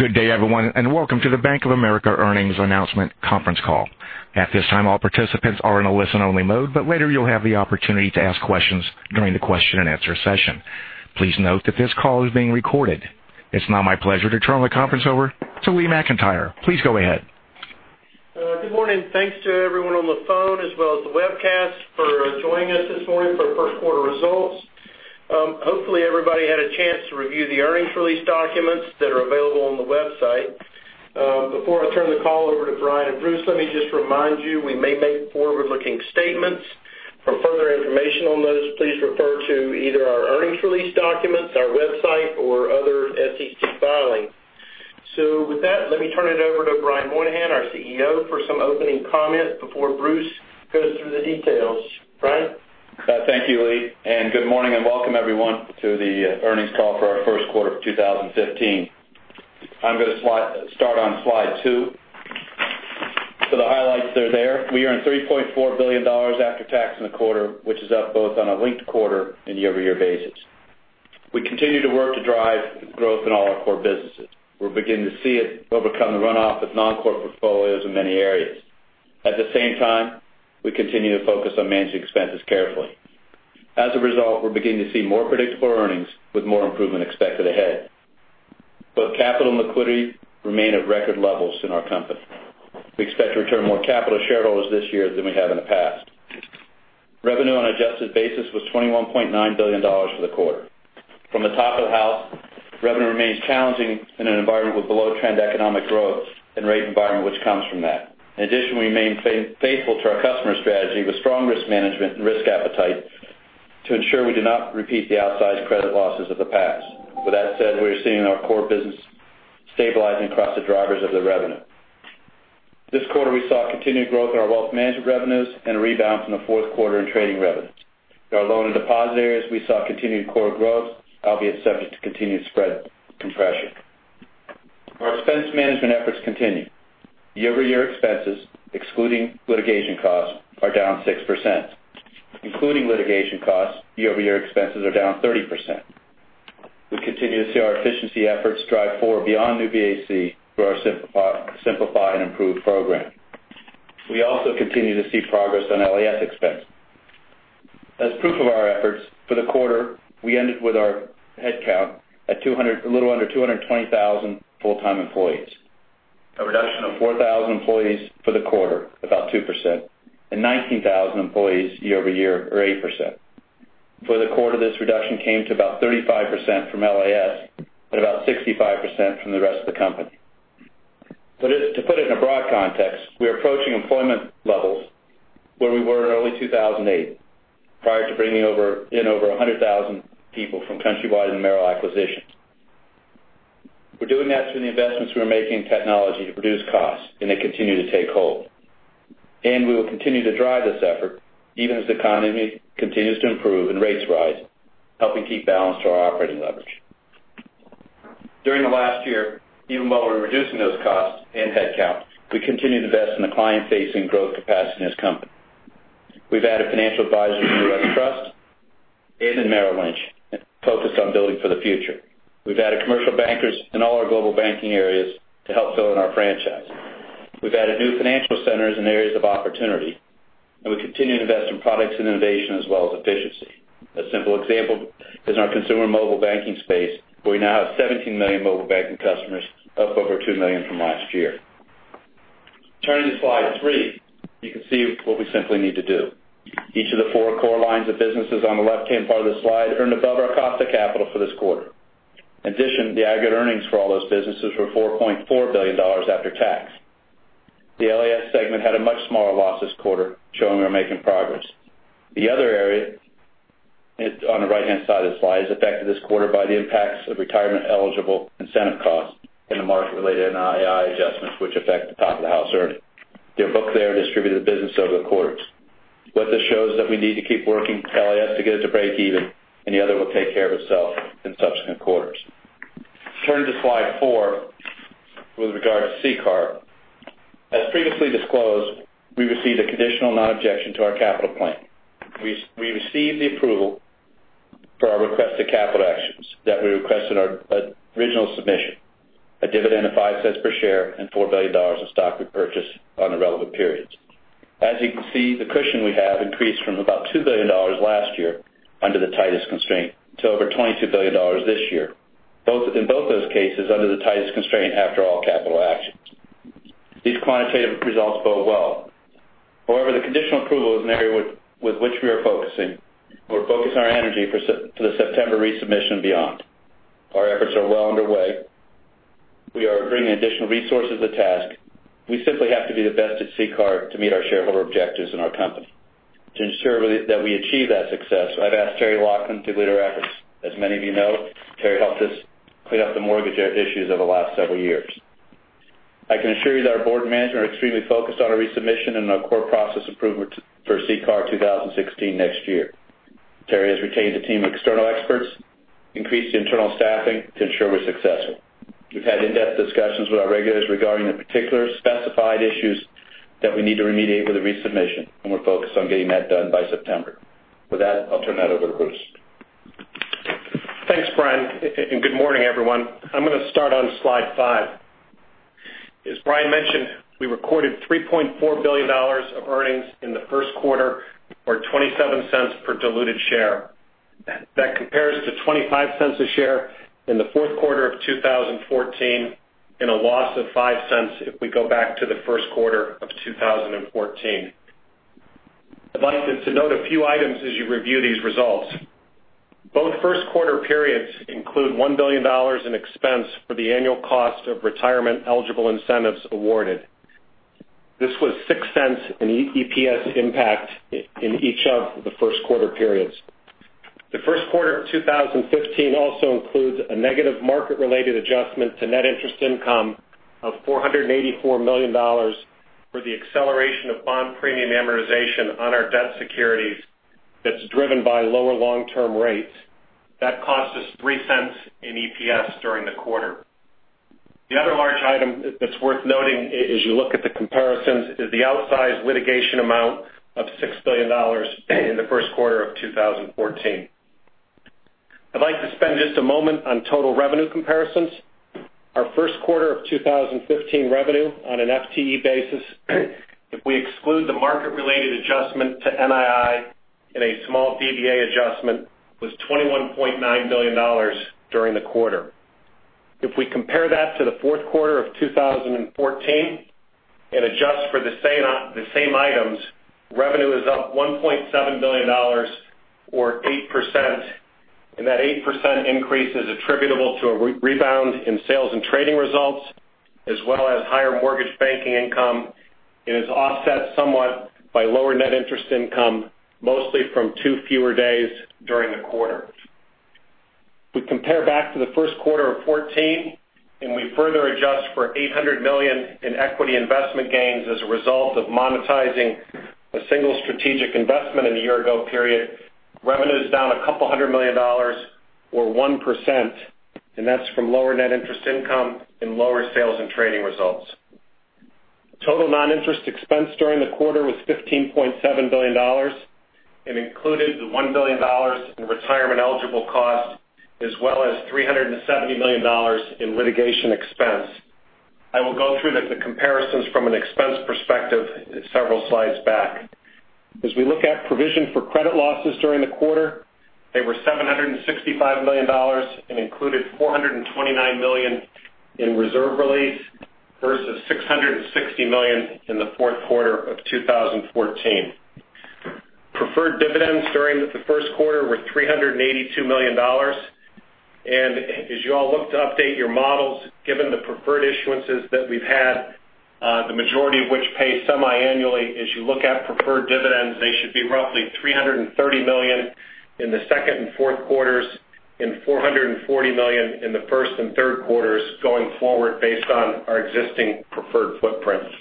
Good day, everyone. Welcome to the Bank of America earnings announcement conference call. At this time, all participants are in a listen-only mode, but later you'll have the opportunity to ask questions during the question and answer session. Please note that this call is being recorded. It's now my pleasure to turn the conference over to Lee McEntire. Please go ahead. Good morning. Thanks to everyone on the phone as well as the webcast for joining us this morning for first quarter results. Hopefully, everybody had a chance to review the earnings release documents that are available on the website. Before I turn the call over to Brian and Bruce, let me just remind you, we may make forward-looking statements. For further information on those, please refer to either our earnings release documents, our website, or other SEC filing. With that, let me turn it over to Brian Moynihan, our CEO, for some opening comments before Bruce goes through the details. Brian? Thank you, Lee. Good morning, and welcome everyone to the earnings call for our first quarter of 2015. I'm going to start on slide two. The highlights are there. We earned $3.4 billion after tax in the quarter, which is up both on a linked quarter and year-over-year basis. We continue to work to drive growth in all our core businesses. We're beginning to see it overcome the runoff of non-core portfolios in many areas. At the same time, we continue to focus on managing expenses carefully. As a result, we're beginning to see more predictable earnings with more improvement expected ahead. Both capital and liquidity remain at record levels in our company. We expect to return more capital to shareholders this year than we have in the past. Revenue on an adjusted basis was $21.9 billion for the quarter. From the top of the house, revenue remains challenging in an environment with below-trend economic growth and rate environment, which comes from that. In addition, we remain faithful to our customer strategy with strong risk management and risk appetite to ensure we do not repeat the outsized credit losses of the past. With that said, we are seeing our core business stabilizing across the drivers of the revenue. This quarter, we saw continued growth in our wealth management revenues and a rebound from the fourth quarter in trading revenues. In our loan and deposit areas, we saw continued core growth, albeit subject to continued spread compression. Our expense management efforts continue. Year-over-year expenses, excluding litigation costs, are down 6%. Including litigation costs, year-over-year expenses are down 30%. We continue to see our efficiency efforts drive forward beyond New BAC through our Simplify and Improve program. We also continue to see progress on LAS expense. As proof of our efforts, for the quarter, we ended with our headcount at a little under 220,000 full-time employees, a reduction of 4,000 employees for the quarter, about 2%, and 19,000 employees year-over-year or 8%. For the quarter, this reduction came to about 35% from LAS, but about 65% from the rest of the company. To put it in a broad context, we are approaching employment levels where we were in early 2008, prior to bringing in over 100,000 people from Countrywide and the Merrill acquisitions. We are doing that through the investments we are making in technology to reduce costs, and they continue to take hold. We will continue to drive this effort even as the economy continues to improve and rates rise, helping keep balance to our operating leverage. During the last year, even while we are reducing those costs and headcount, we continue to invest in the client-facing growth capacity in this company. We have added financial advisors in U.S. Trust and in Merrill Lynch, focused on building for the future. We have added commercial bankers in all our Global Banking areas to help build on our franchise. We have added new financial centers in areas of opportunity, and we continue to invest in products and innovation as well as efficiency. A simple example is in our consumer mobile banking space. We now have 17 million mobile banking customers, up over two million from last year. Turning to slide three, you can see what we simply need to do. Each of the four core lines of businesses on the left-hand part of the slide earned above our cost of capital for this quarter. In addition, the aggregate earnings for all those businesses were $4.4 billion after tax. The LAS segment had a much smaller loss this quarter, showing we are making progress. The other area, on the right-hand side of the slide, is affected this quarter by the impacts of retirement-eligible incentive costs and the market-related NII adjustments, which affect the top of the house earning. They are booked there and distributed to the business over the quarters. What this shows is that we need to keep working with LAS to get it to break even, and the other will take care of itself in subsequent quarters. Turning to slide four, with regard to CCAR. As previously disclosed, we received a conditional non-objection to our capital plan. We received the approval for our requested capital actions that we requested our original submission, a dividend of $0.05 per share and $4 billion of stock repurchase on the relevant periods. As you can see, the cushion we have increased from about $2 billion last year under the tightest constraint to over $22 billion this year. In both those cases, under the tightest constraint after all capital actions. These quantitative results bode well. However, the conditional approval is an area with which we are focusing. We are focusing our energy for the September resubmission and beyond. Our efforts are well underway. We are bringing additional resources to task. We simply have to be the best at CCAR to meet our shareholder objectives in our company. To ensure that we achieve that success, I have asked Terry Laughlin to lead our efforts. As many of you know, Terry helped us clean up the mortgage issues over the last several years. I can assure you that our board management are extremely focused on our resubmission and our core process improvement for CCAR 2016 next year. Terry has retained a team of external experts, increased internal staffing to ensure we're successful. We've had in-depth discussions with our regulators regarding the particular specified issues that we need to remediate with the resubmission, and we're focused on getting that done by September. With that, I'll turn that over to Bruce. Thanks, Brian. Good morning, everyone. I'm going to start on slide five. As Brian mentioned, we recorded $3.4 billion of earnings in the first quarter or $0.27 per diluted share. That compares to $0.25 a share in the fourth quarter of 2014 and a loss of $0.05 if we go back to the first quarter of 2014. I'd like to note a few items as you review these results. Both first-quarter periods include $1 billion in expense for the annual cost of retirement-eligible incentives awarded. This was $0.06 in EPS impact in each of the first-quarter periods. The first quarter of 2015 also includes a negative market-related adjustment to net interest income of $484 million for the acceleration of bond premium amortization on our debt securities that's driven by lower long-term rates. That cost us $0.03 in EPS during the quarter. The other large item that's worth noting as you look at the comparisons is the outsized litigation amount of $6 billion in the first quarter of 2014. I'd like to spend just a moment on total revenue comparisons. Our first quarter of 2015 revenue on an FTE basis, if we exclude the market-related adjustment to NII and a small DVA adjustment, was $21.9 billion during the quarter. If we compare that to the fourth quarter of 2014 and adjust for the same items, revenue is up $1.7 billion or 8%. That 8% increase is attributable to a rebound in sales and trading results, as well as higher mortgage banking income, and is offset somewhat by lower net interest income, mostly from two fewer days during the quarter. If we compare back to the first quarter of 2014, we further adjust for $800 million in equity investment gains as a result of monetizing a single strategic investment in the year-ago period, revenue is down a couple of hundred million dollars or 1%. That's from lower net interest income and lower sales and trading results. Total non-interest expense during the quarter was $15.7 billion. It included the $1 billion in retirement-eligible costs, as well as $370 million in litigation expense. I will go through the comparisons from an expense perspective several slides back. As we look at provision for credit losses during the quarter, they were $765 million and included $429 million in reserve release versus $660 million in the fourth quarter of 2014. Preferred dividends during the first quarter were $382 million. As you all look to update your models, given the preferred issuances that we've had, the majority of which pay semiannually as you look at preferred dividends, they should be roughly $330 million in the second and fourth quarters and $440 million in the first and third quarters going forward based on our existing preferred footprint. If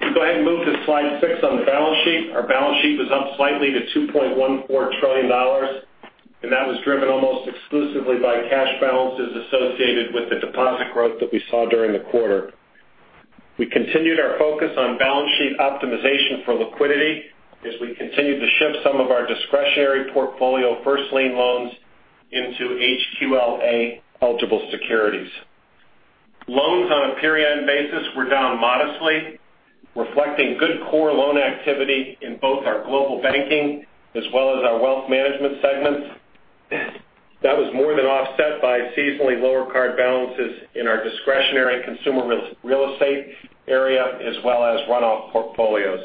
we go ahead and move to slide six on the balance sheet. Our balance sheet was up slightly to $2.14 trillion, and that was driven almost exclusively by cash balances associated with the deposit growth that we saw during the quarter. We continued our focus on balance sheet optimization for liquidity as we continued to shift some of our discretionary portfolio first lien loans into HQLA-eligible securities. Loans on a period-end basis were down modestly, reflecting good core loan activity in both our Global Banking as well as our wealth management segments. That was more than offset by seasonally lower card balances in our discretionary consumer real estate area as well as run-off portfolios.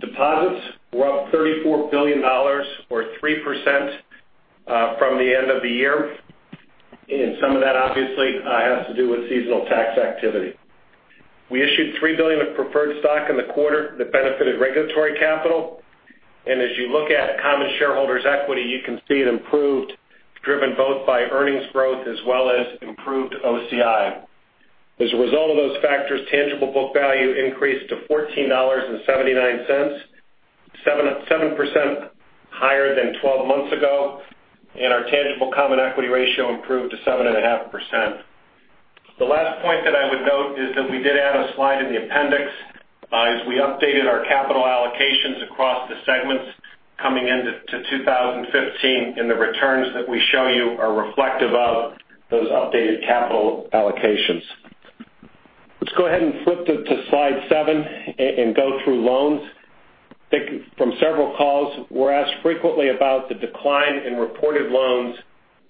Deposits were up $34 billion or 3% from the end of the year, and some of that obviously has to do with seasonal tax activity. We issued $3 billion of preferred stock in the quarter that benefited regulatory capital. As you look at common shareholders' equity, you can see it improved, driven both by earnings growth as well as improved OCI. As a result of those factors, tangible book value increased to $14.79, 7% higher than 12 months ago, and our tangible common equity ratio improved to 7.5%. The last point that I would note is that we did add a slide in the appendix as we updated our capital allocations across the segments coming into 2015, and the returns that we show you are reflective of those updated capital allocations. Let's go ahead and flip to slide seven and go through loans. I think from several calls, we're asked frequently about the decline in reported loans,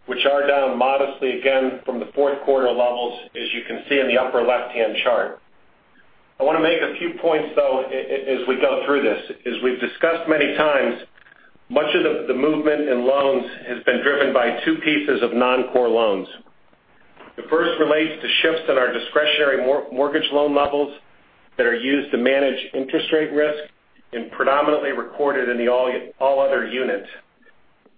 which are down modestly, again from the fourth quarter levels, as you can see in the upper left-hand chart. I want to make a few points, though, as we go through this. As we've discussed many times, much of the movement in loans has been driven by two pieces of non-core loans. The first relates to shifts in our discretionary mortgage loan levels that are used to manage interest rate risk and predominantly recorded in the all other unit.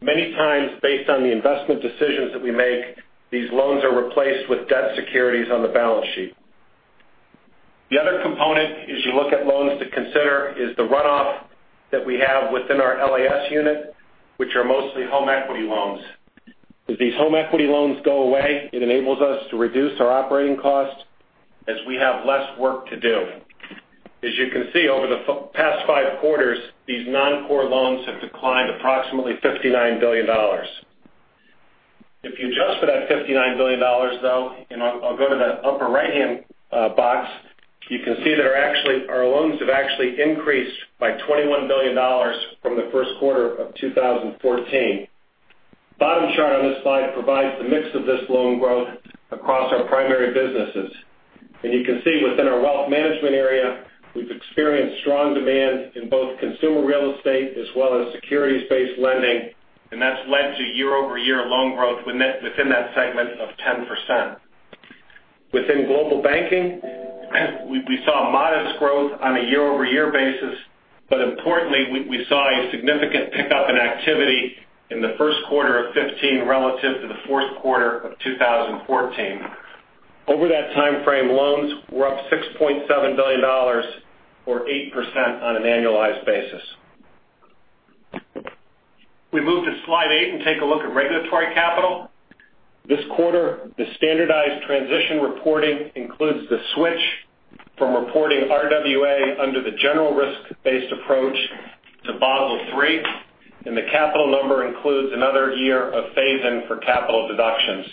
Many times, based on the investment decisions that we make, these loans are replaced with debt securities on the balance sheet. The other component as you look at loans to consider is the runoff that we have within our LAS unit, which are mostly home equity loans. As these home equity loans go away, it enables us to reduce our operating cost as we have less work to do. As you can see, over the past five quarters, these non-core loans have declined approximately $59 billion. If you adjust for that $59 billion, though, and I'll go to the upper right-hand box, you can see that our loans have actually increased by $21 billion from the first quarter of 2014. The bottom chart on this slide provides the mix of this loan growth across our primary businesses. You can see within our wealth management area, we've experienced strong demand in both consumer real estate as well as securities-based lending, and that's led to year-over-year loan growth within that segment of 10%. Importantly, we saw a significant pickup in activity in the first quarter of 2015 relative to the fourth quarter of 2014. Over that timeframe, loans were up $6.7 billion or 8% on an annualized basis. We move to slide eight and take a look at regulatory capital. This quarter, the standardized transition reporting includes the switch from reporting RWA under the general risk-based approach to Basel III, and the capital number includes another year of phase-in for capital deductions.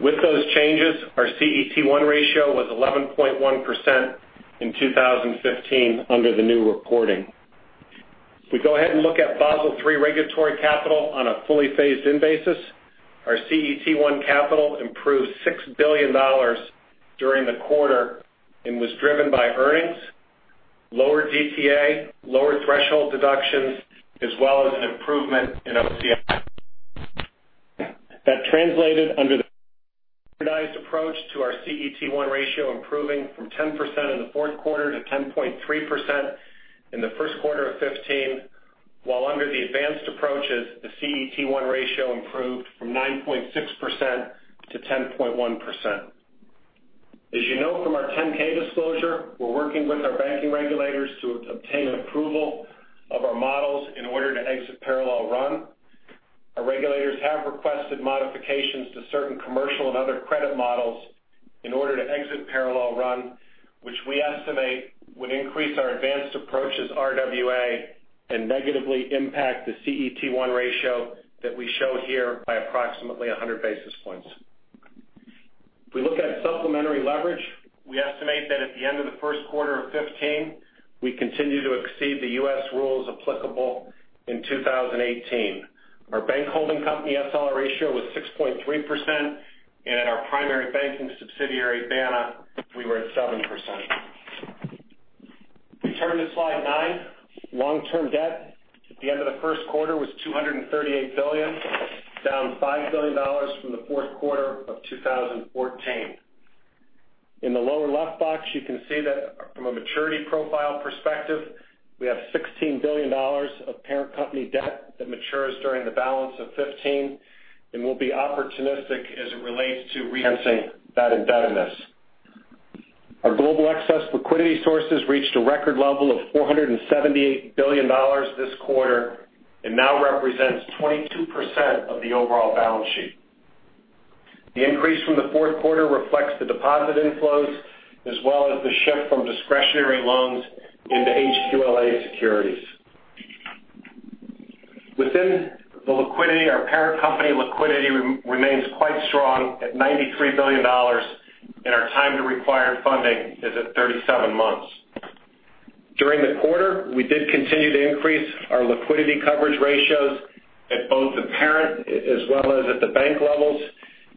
With those changes, our CET1 ratio was 11.1% in 2015 under the new reporting. We go ahead and look at Basel III regulatory capital on a fully phased-in basis, our CET1 capital improved $6 billion during the quarter and was driven by earnings, lower DTA, lower threshold deductions, as well as an improvement in OCI. That translated under the standardized approach to our CET1 ratio improving from 10% in the fourth quarter to 10.3% in the first quarter of 2015. Under the advanced approaches, the CET1 ratio improved from 9.6% to 10.1%. You know from our 10-K disclosure, we're working with our banking regulators to obtain approval of our models in order to exit parallel run. Our regulators have requested modifications to certain commercial and other credit models in order to exit parallel run, which we estimate would increase our advanced approaches RWA and negatively impact the CET1 ratio that we show here by approximately 100 basis points. We look at supplementary leverage, we estimate that at the end of the first quarter of 2015, we continue to exceed the U.S. rules applicable in 2018. Our bank holding company SLR ratio was 6.3%, and at our primary banking subsidiary, BANA, we were at 7%. We turn to slide nine. Long-term debt at the end of the first quarter was $238 billion, down $5 billion from the fourth quarter of 2014. In the lower left box, you can see that from a maturity profile perspective, we have $16 billion of parent company debt that matures during the balance of 2015. We'll be opportunistic as it relates to refinancing that indebtedness. Our global excess liquidity sources reached a record level of $478 billion this quarter and now represents 22% of the overall balance sheet. The increase from the fourth quarter reflects the deposit inflows, as well as the shift from discretionary loans into HQLA securities. Within the liquidity, our parent company liquidity remains quite strong at $93 billion, and our time to required funding is at 37 months. During the quarter, we did continue to increase our liquidity coverage ratios at both the parent as well as at the bank levels.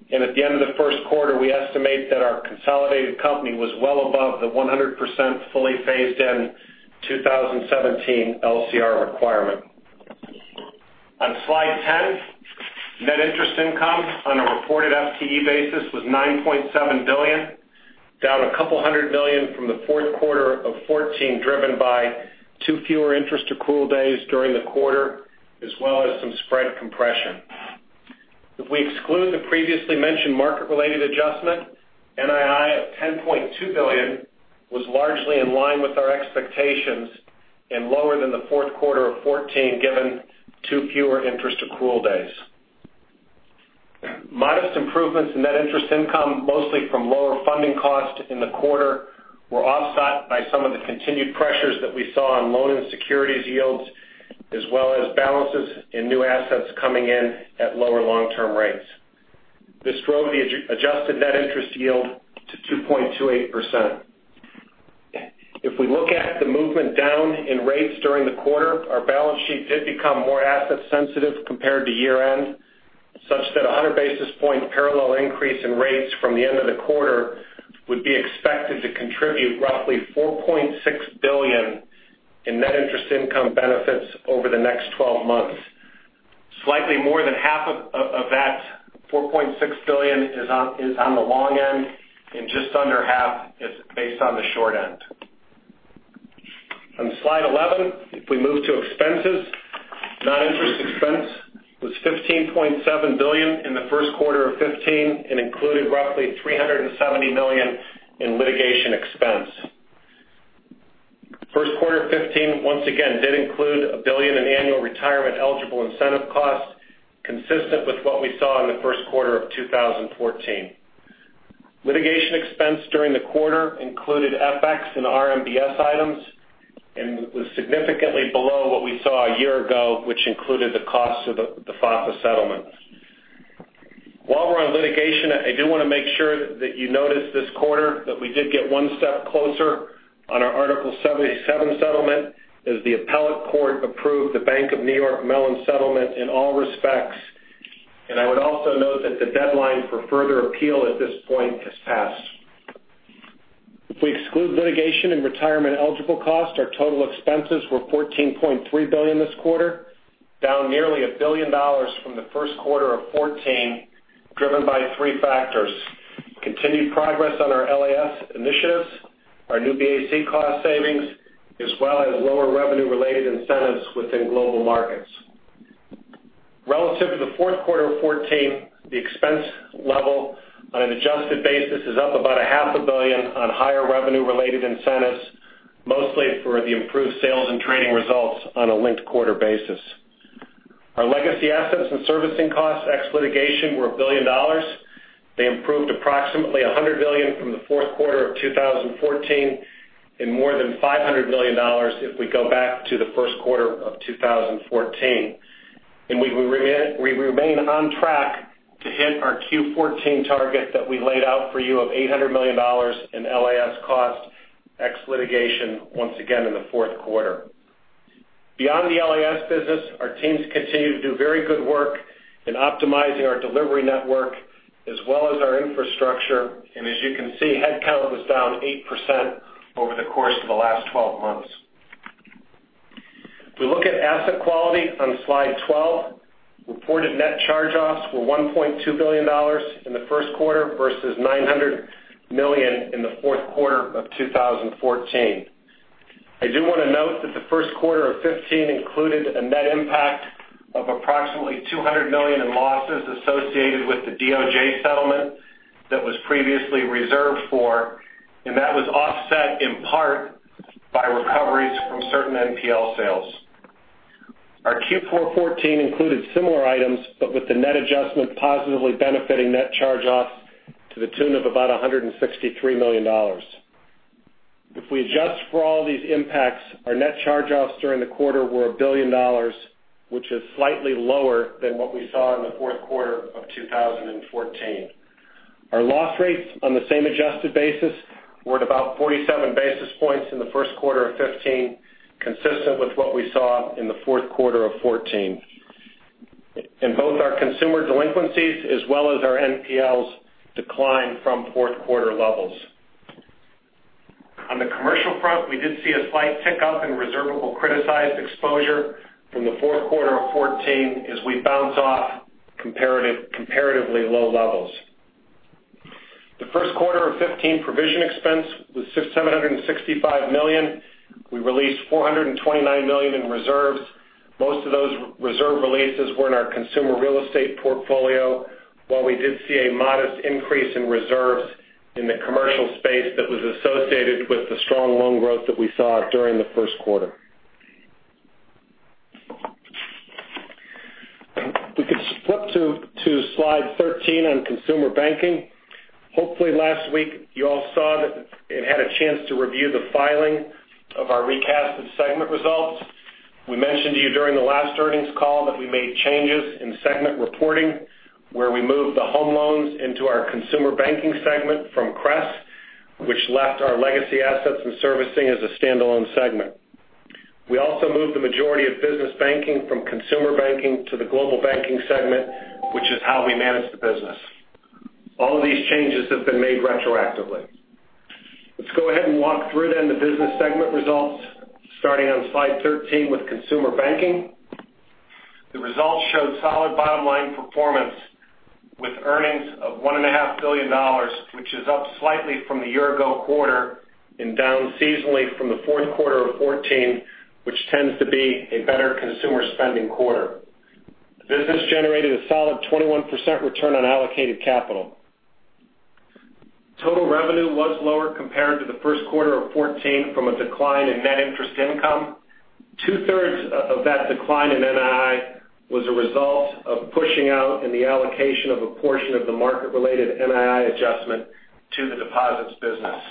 At the end of the first quarter, we estimate that our consolidated company was well above the 100% fully phased-in 2017 LCR requirement. On slide 10, net interest income on a reported FTE basis was $9.7 billion, down a couple of hundred million from the fourth quarter of 2014, driven by two fewer interest accrual days during the quarter, as well as some spread compression. If we exclude the previously mentioned market-related adjustment, NII at $10.2 billion was largely in line with our expectations and lower than the fourth quarter of 2014, given two fewer interest accrual days. Modest improvements in net interest income, mostly from lower funding cost in the quarter, were offset by some of the continued pressures that we saw on loan and securities yields, as well as balances in new assets coming in at lower long-term rates. This drove the adjusted net interest yield to 2.28%. If we look at the movement down in rates during the quarter, our balance sheet did become more asset sensitive compared to year-end, such that a 100-basis-point parallel increase in rates from the end of the quarter would be expected to contribute roughly $4.6 billion in net interest income benefits over the next 12 months. Slightly more than half of that $4.6 billion is on the long end and just under half is based on the short end. On slide 11, if we move to expenses. Non-interest expense was $15.7 billion in the first quarter of 2015 and included roughly $370 million in litigation expense. First quarter of 2015, once again, did include $1 billion in annual retirement eligible incentive costs, consistent with what we saw in the first quarter of 2014. Litigation expense during the quarter included FX and RMBS items and was significantly below what we saw a year ago, which included the cost of the FHFA settlement. While we're on litigation, I do want to make sure that you notice this quarter that we did get one step closer on our Article 77 settlement, as the appellate court approved the Bank of New York Mellon settlement in all respects. I would also note that the deadline for further appeal at this point has passed. If we exclude litigation and retirement eligible costs, our total expenses were $14.3 billion this quarter, down nearly $1 billion from the first quarter of 2014, driven by three factors: continued progress on our LAS initiatives, our New BAC cost savings, as well as lower revenue-related incentives within Global Markets. Relative to the fourth quarter of 2014, the expense level on an adjusted basis is up about a half a billion on higher revenue-related incentives, mostly for the improved sales and trading results on a linked-quarter basis. Our legacy assets and servicing costs, ex litigation, were $1 billion. They improved approximately $100 million from the fourth quarter of 2014 and more than $500 million if we go back to the first quarter of 2014. We remain on track to hit our Q4 target that we laid out for you of $800 million in LAS cost, ex litigation, once again in the fourth quarter. Beyond the LAS business, our teams continue to do very good work in optimizing our delivery network as well as our infrastructure. As you can see, headcount was down 8% over the course of the last 12 months. If we look at asset quality on slide 12, reported net charge-offs were $1.2 billion in the first quarter versus $900 million in the fourth quarter of 2014. I do want to note that the first quarter of 2015 included a net impact of approximately $200 million in losses associated with the DOJ settlement that was previously reserved for, and that was offset in part by recoveries from certain NPL sales. Our Q4 '14 included similar items, but with the net adjustment positively benefiting net charge-offs to the tune of about $163 million. If we adjust for all these impacts, our net charge-offs during the quarter were $1 billion, which is slightly lower than what we saw in the fourth quarter of 2014. Our loss rates on the same adjusted basis were at about 47 basis points in the first quarter of '15, consistent with what we saw in the fourth quarter of '14. Both our consumer delinquencies as well as our NPLs declined from fourth-quarter levels. On the commercial front, we did see a slight tick-up in reservable criticized exposure from the fourth quarter of '14 as we bounce off comparatively low levels. The first quarter of '15 provision expense was $765 million. We released $429 million in reserves. Most of those reserve releases were in our consumer real estate portfolio. While we did see a modest increase in reserves in the commercial space that was associated with the strong loan growth that we saw during the first quarter. If we could flip to Slide 13 on Consumer Banking. Hopefully last week you all saw that and had a chance to review the filing of our recasted segment results. We mentioned to you during the last earnings call that we made changes in segment reporting where we moved the home loans into our Consumer Banking segment from CRES, which left our legacy assets and servicing as a standalone segment. We also moved the majority of business banking from Consumer Banking to the Global Banking segment, which is how we manage the business. All of these changes have been made retroactively. Let's go ahead and walk through then the business segment results starting on Slide 13 with Consumer Banking. The results showed solid bottom-line performance with earnings of $1.5 billion, which is up slightly from the year-ago quarter and down seasonally from the fourth quarter of '14, which tends to be a better consumer spending quarter. The business generated a solid 21% return on allocated capital. Total revenue was lower compared to the first quarter of '14 from a decline in net interest income. Two-thirds of that decline in NII was a result of pushing out in the allocation of a portion of the market-related NII adjustment to the deposits business.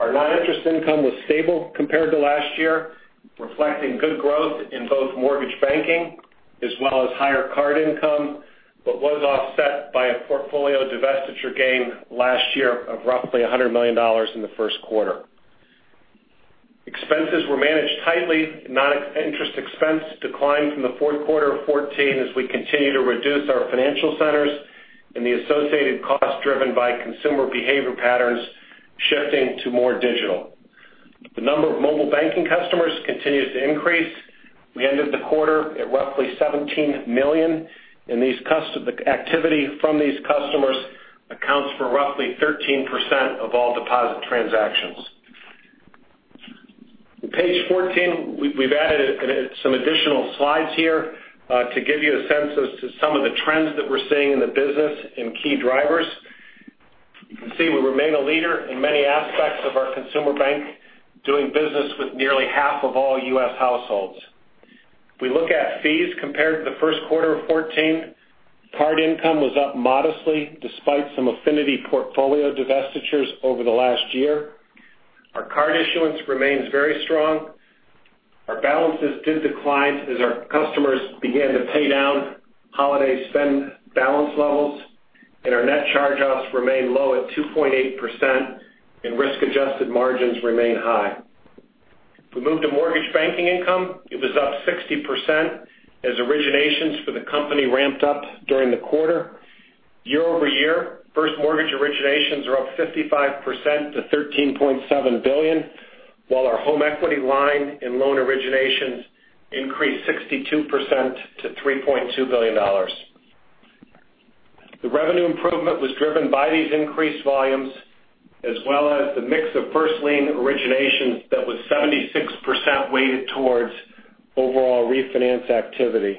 Our non-interest income was stable compared to last year, reflecting good growth in both mortgage banking as well as higher card income, but was offset by a portfolio divestiture gain last year of roughly $100 million in the first quarter. Expenses were managed tightly. Non-interest expense declined from the fourth quarter of '14 as we continue to reduce our financial centers and the associated cost driven by consumer behavior patterns shifting to more digital. The number of mobile banking customers continues to increase. We ended the quarter at roughly 17 million, and the activity from these customers accounts for roughly 13% of all deposit transactions. On page 14, we've added some additional slides here to give you a sense as to some of the trends that we're seeing in the business and key drivers. You can see we remain a leader in many aspects of our consumer bank, doing business with nearly half of all U.S. households. If we look at fees compared to the first quarter of '14, card income was up modestly despite some affinity portfolio divestitures over the last year. Our card issuance remains very strong. Our balances did decline as our customers began to pay down holiday spend balance levels, and our net charge-offs remain low at 2.8%, and risk-adjusted margins remain high. If we move to mortgage banking income, it was up 60% as originations for the company ramped up during the quarter. Year-over-year, first mortgage originations are up 55% to $13.7 billion, while our home equity line and loan originations increased 62% to $3.2 billion. The revenue improvement was driven by these increased volumes as well as the mix of first-lien originations that was 76% weighted towards overall refinance activity.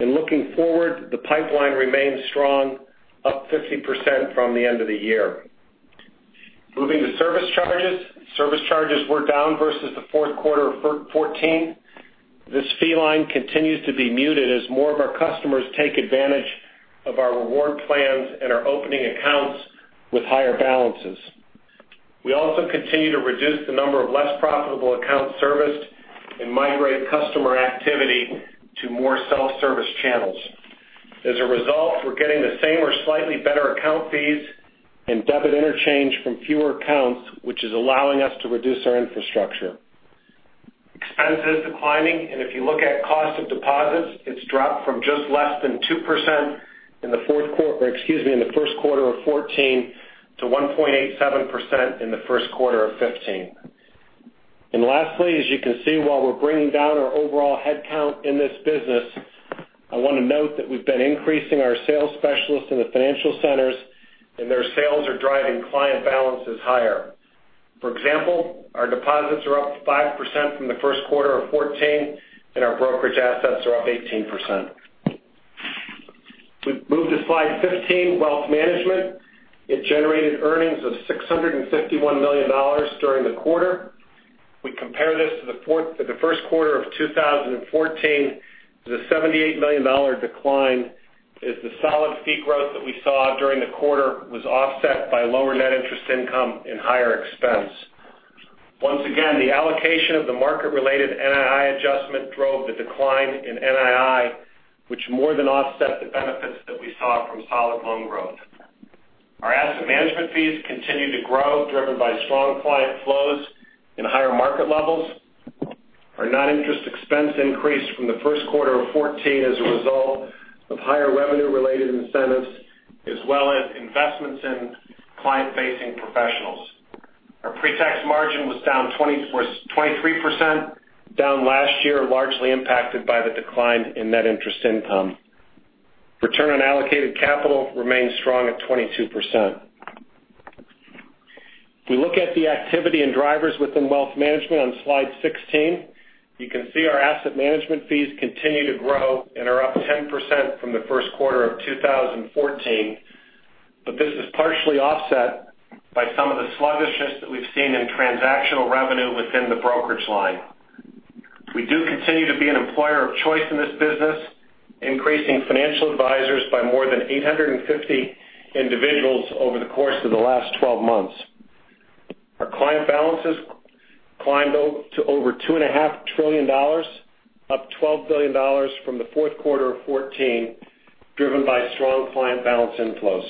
Looking forward, the pipeline remains strong, up 50% from the end of the year. Moving to service charges. Service charges were down versus the fourth quarter of '14. This fee line continues to be muted as more of our customers take advantage of our reward plans and are opening accounts with higher balances. We also continue to reduce the number of less profitable accounts serviced and migrate customer activity to more self-service channels. As a result, we're getting the same or slightly better account fees and debit interchange from fewer accounts, which is allowing us to reduce our infrastructure. Expenses declining, and if you look at cost of deposits, it's dropped from just less than 2% in the first quarter of '14 to 1.87% in the first quarter of '15. Lastly, as you can see, while we're bringing down our overall headcount in this business, I want to note that we've been increasing our sales specialists in the financial centers, and their sales are driving client balances higher. For example, our deposits are up 5% from the first quarter of '14, and our brokerage assets are up 18%. We move to slide 15, Wealth Management. It generated earnings of $651 million during the quarter. We compare this to the first quarter of 2014 to the $78 million decline, as the solid fee growth that we saw during the quarter was offset by lower net interest income and higher expense. Once again, the allocation of the market-related NII adjustment drove the decline in NII, which more than offset the benefits that we saw from solid loan growth. Our asset management fees continue to grow, driven by strong client flows and higher market levels. Our non-interest expense increased from the first quarter of '14 as a result of higher revenue-related incentives, as well as investments in client-facing professionals. Our pre-tax margin was down 23% down last year, largely impacted by the decline in net interest income. Return on allocated capital remains strong at 22%. If we look at the activity and drivers within Wealth Management on slide 16, you can see our asset management fees continue to grow and are up 10% from the first quarter of 2014. This is partially offset by some of the sluggishness that we've seen in transactional revenue within the brokerage line. We do continue to be an employer of choice in this business, increasing financial advisors by more than 850 individuals over the course of the last 12 months. Our client balances climbed to over $2.5 trillion, up $12 billion from the fourth quarter of '14, driven by strong client balance inflows.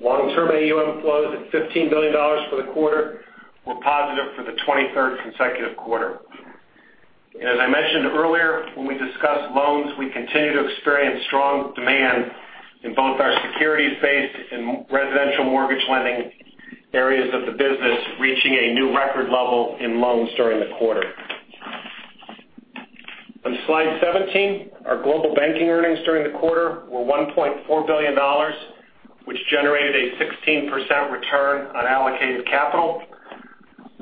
Long-term AUM inflows at $15 billion for the quarter were positive for the 23rd consecutive quarter. As I mentioned earlier, when we discuss loans, we continue to experience strong demand in both our securities-based and residential mortgage lending areas of the business, reaching a new record level in loans during the quarter. On slide 17, our Global Banking earnings during the quarter were $1.4 billion, which generated a 16% return on allocated capital.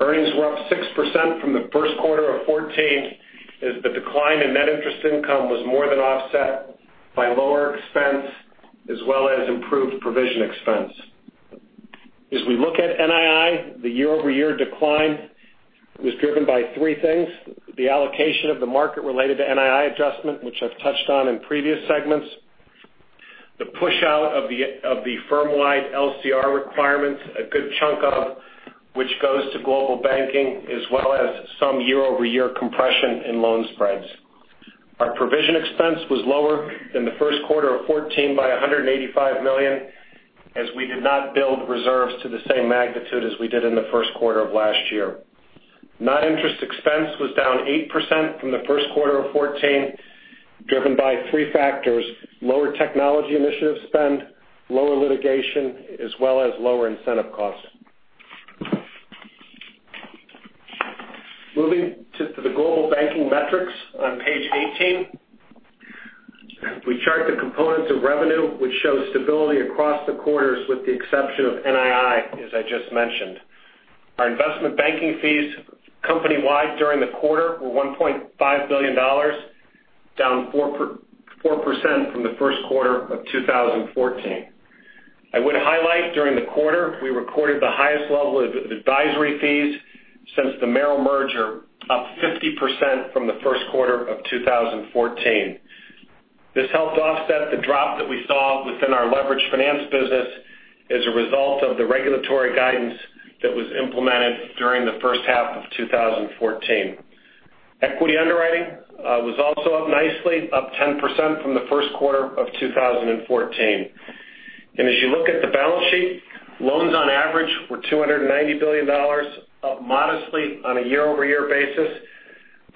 Earnings were up 6% from the first quarter of 2014, as the decline in net interest income was more than offset by lower expense as well as improved provision expense. As we look at NII, the year-over-year decline was driven by three things. The allocation of the market related to NII adjustment, which I've touched on in previous segments, the push out of the firm-wide LCR requirements, a good chunk of which goes to Global Banking, as well as some year-over-year compression in loan spreads. Our provision expense was lower than the first quarter of 2014 by $185 million, as we did not build reserves to the same magnitude as we did in the first quarter of last year. Non-interest expense was down 8% from the first quarter of 2014, driven by three factors: lower technology initiative spend, lower litigation, as well as lower incentive costs. Moving to the Global Banking metrics on page 18. We chart the components of revenue, which show stability across the quarters with the exception of NII, as I just mentioned. Our investment banking fees company-wide during the quarter were $1.5 billion, down 4% from the first quarter of 2014. I would highlight during the quarter, we recorded the highest level of advisory fees since the Merrill merger, up 50% from the first quarter of 2014. This helped offset the drop that we saw within our leveraged finance business as a result of the regulatory guidance that was implemented during the first half of 2014. Equity underwriting was also up nicely, up 10% from the first quarter of 2014. As you look at the balance sheet, loans on average were $290 billion, up modestly on a year-over-year basis.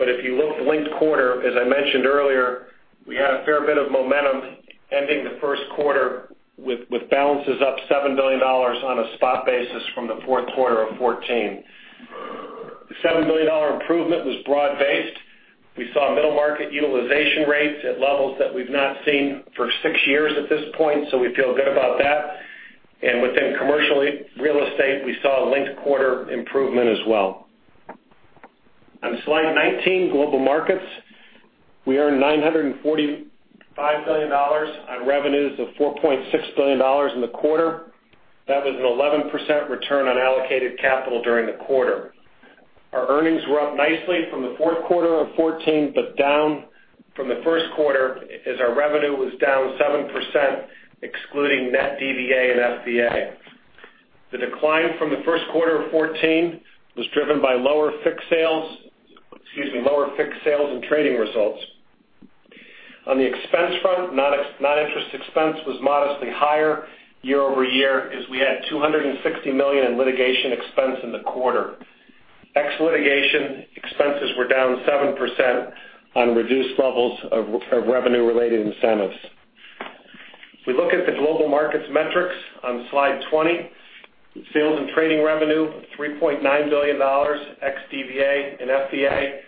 If you look linked quarter, as I mentioned earlier, we had a fair bit of momentum ending the first quarter with balances up $7 billion on a spot basis from the fourth quarter of 2014. The $7 billion improvement was broad-based. We saw middle market utilization rates at levels that we've not seen for six years at this point, so we feel good about that. Within commercial real estate, we saw a linked quarter improvement as well. On slide 19, Global Markets. We earned $945 million on revenues of $4.6 billion in the quarter. That was an 11% return on allocated capital during the quarter. Our earnings were up nicely from the fourth quarter of 2014, down from the first quarter as our revenue was down 7%, excluding net DVA and FVA. The decline from the first quarter of 2014 was driven by lower fixed sales and trading results. On the expense front, non-interest expense was modestly higher year-over-year as we had $260 million in litigation expense in the quarter. Ex litigation, expenses were down 7% on reduced levels of revenue-related incentives. If we look at the Global Markets metrics on Slide 20, sales and trading revenue of $3.9 billion ex DVA and FVA,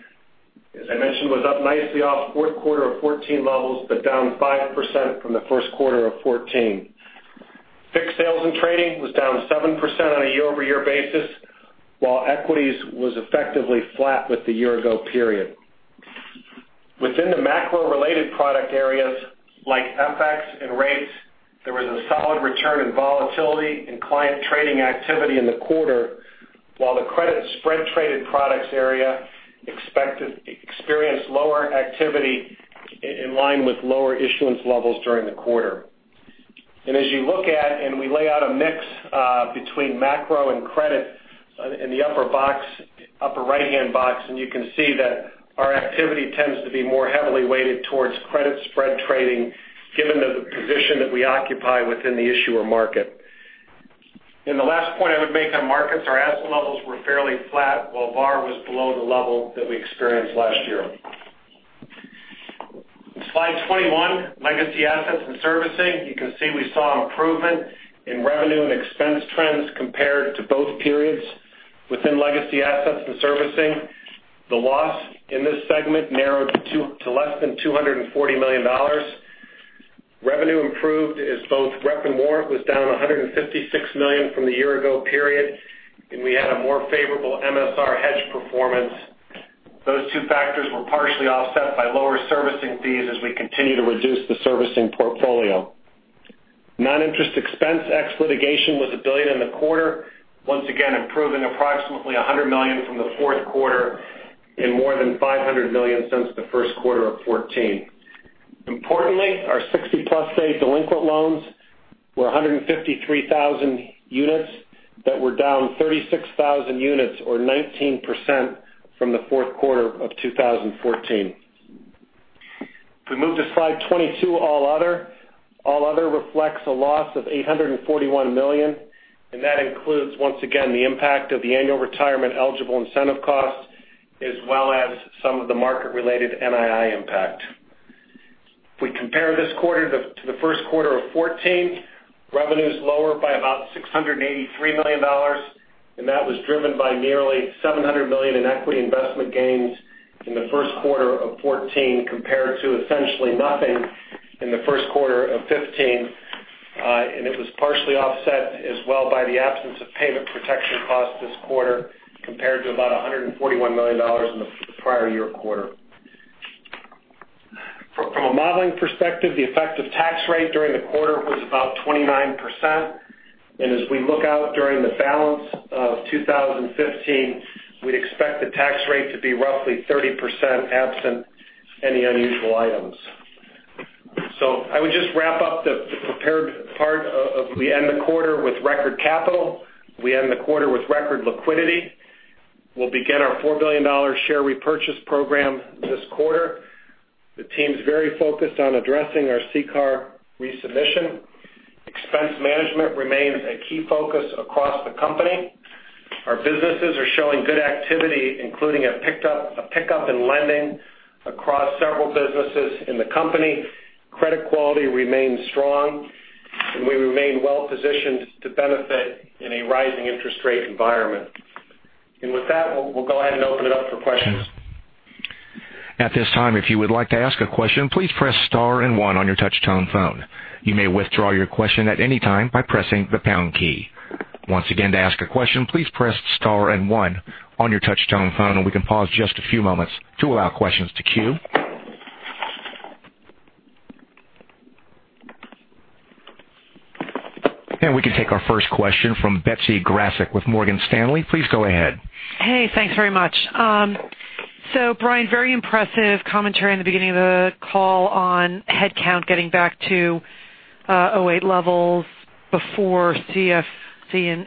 as I mentioned, was up nicely off fourth quarter of 2014 levels, down 5% from the first quarter of 2014. Fixed sales and trading was down 7% on a year-over-year basis, while equities was effectively flat with the year-ago period. Within the macro-related product areas like FX and rates, there was a solid return in volatility and client trading activity in the quarter, while the credit spread traded products area experienced lower activity in line with lower issuance levels during the quarter. We lay out a mix between macro and credit in the upper right-hand box, and you can see that our activity tends to be more heavily weighted towards credit spread trading given the position that we occupy within the issuer market. The last point I would make on markets, our asset levels were fairly flat while VaR was below the level that we experienced last year. Slide 21, legacy assets and servicing. You can see we saw improvement in revenue and expense trends compared to both periods within legacy assets and servicing. The loss in this segment narrowed to less than $240 million. Revenue improved as both rep and warrant was down $156 million from the year-ago period, and we had a more favorable MSR hedge performance. Those two factors were partially offset by lower servicing fees as we continue to reduce the servicing portfolio. Non-interest expense ex litigation was $1 billion in the quarter, once again improving approximately $100 million from the fourth quarter and more than $500 million since the first quarter of 2014. Importantly, our 60-plus day delinquent loans were 153,000 units that were down 36,000 units or 19% from the fourth quarter of 2014. If we move to slide 22, all other. All other reflects a loss of $841 million, and that includes, once again, the impact of the annual retirement eligible incentive costs, as well as some of the market-related NII impact. If we compare this quarter to the first quarter of 2014, revenue is lower by about $683 million, and that was driven by nearly $700 million in equity investment gains in the first quarter of 2014 compared to essentially nothing in the first quarter of 2015. It was partially offset as well by the absence of payment protection costs this quarter compared to about $141 million in the prior year quarter. From a modeling perspective, the effective tax rate during the quarter was about 29%. As we look out during the balance of 2015, we'd expect the tax rate to be roughly 30% absent any unusual items. I would just wrap up the prepared part. We end the quarter with record capital. We end the quarter with record liquidity. We'll begin our $4 billion share repurchase program this quarter. The team's very focused on addressing our CCAR resubmission. Expense management remains a key focus across the company. Our businesses are showing good activity, including a pickup in lending across several businesses in the company. Credit quality remains strong, and we remain well-positioned to benefit in a rising interest rate environment. With that, we'll go ahead and open it up for questions. At this time, if you would like to ask a question, please press star and one on your touch-tone phone. You may withdraw your question at any time by pressing the pound key. Once again, to ask a question, please press star and one on your touch-tone phone. We can pause just a few moments to allow questions to queue. We can take our first question from Betsy Graseck with Morgan Stanley. Please go ahead. Hey, thanks very much. Brian, very impressive commentary in the beginning of the call on headcount getting back to 2008 levels before CFC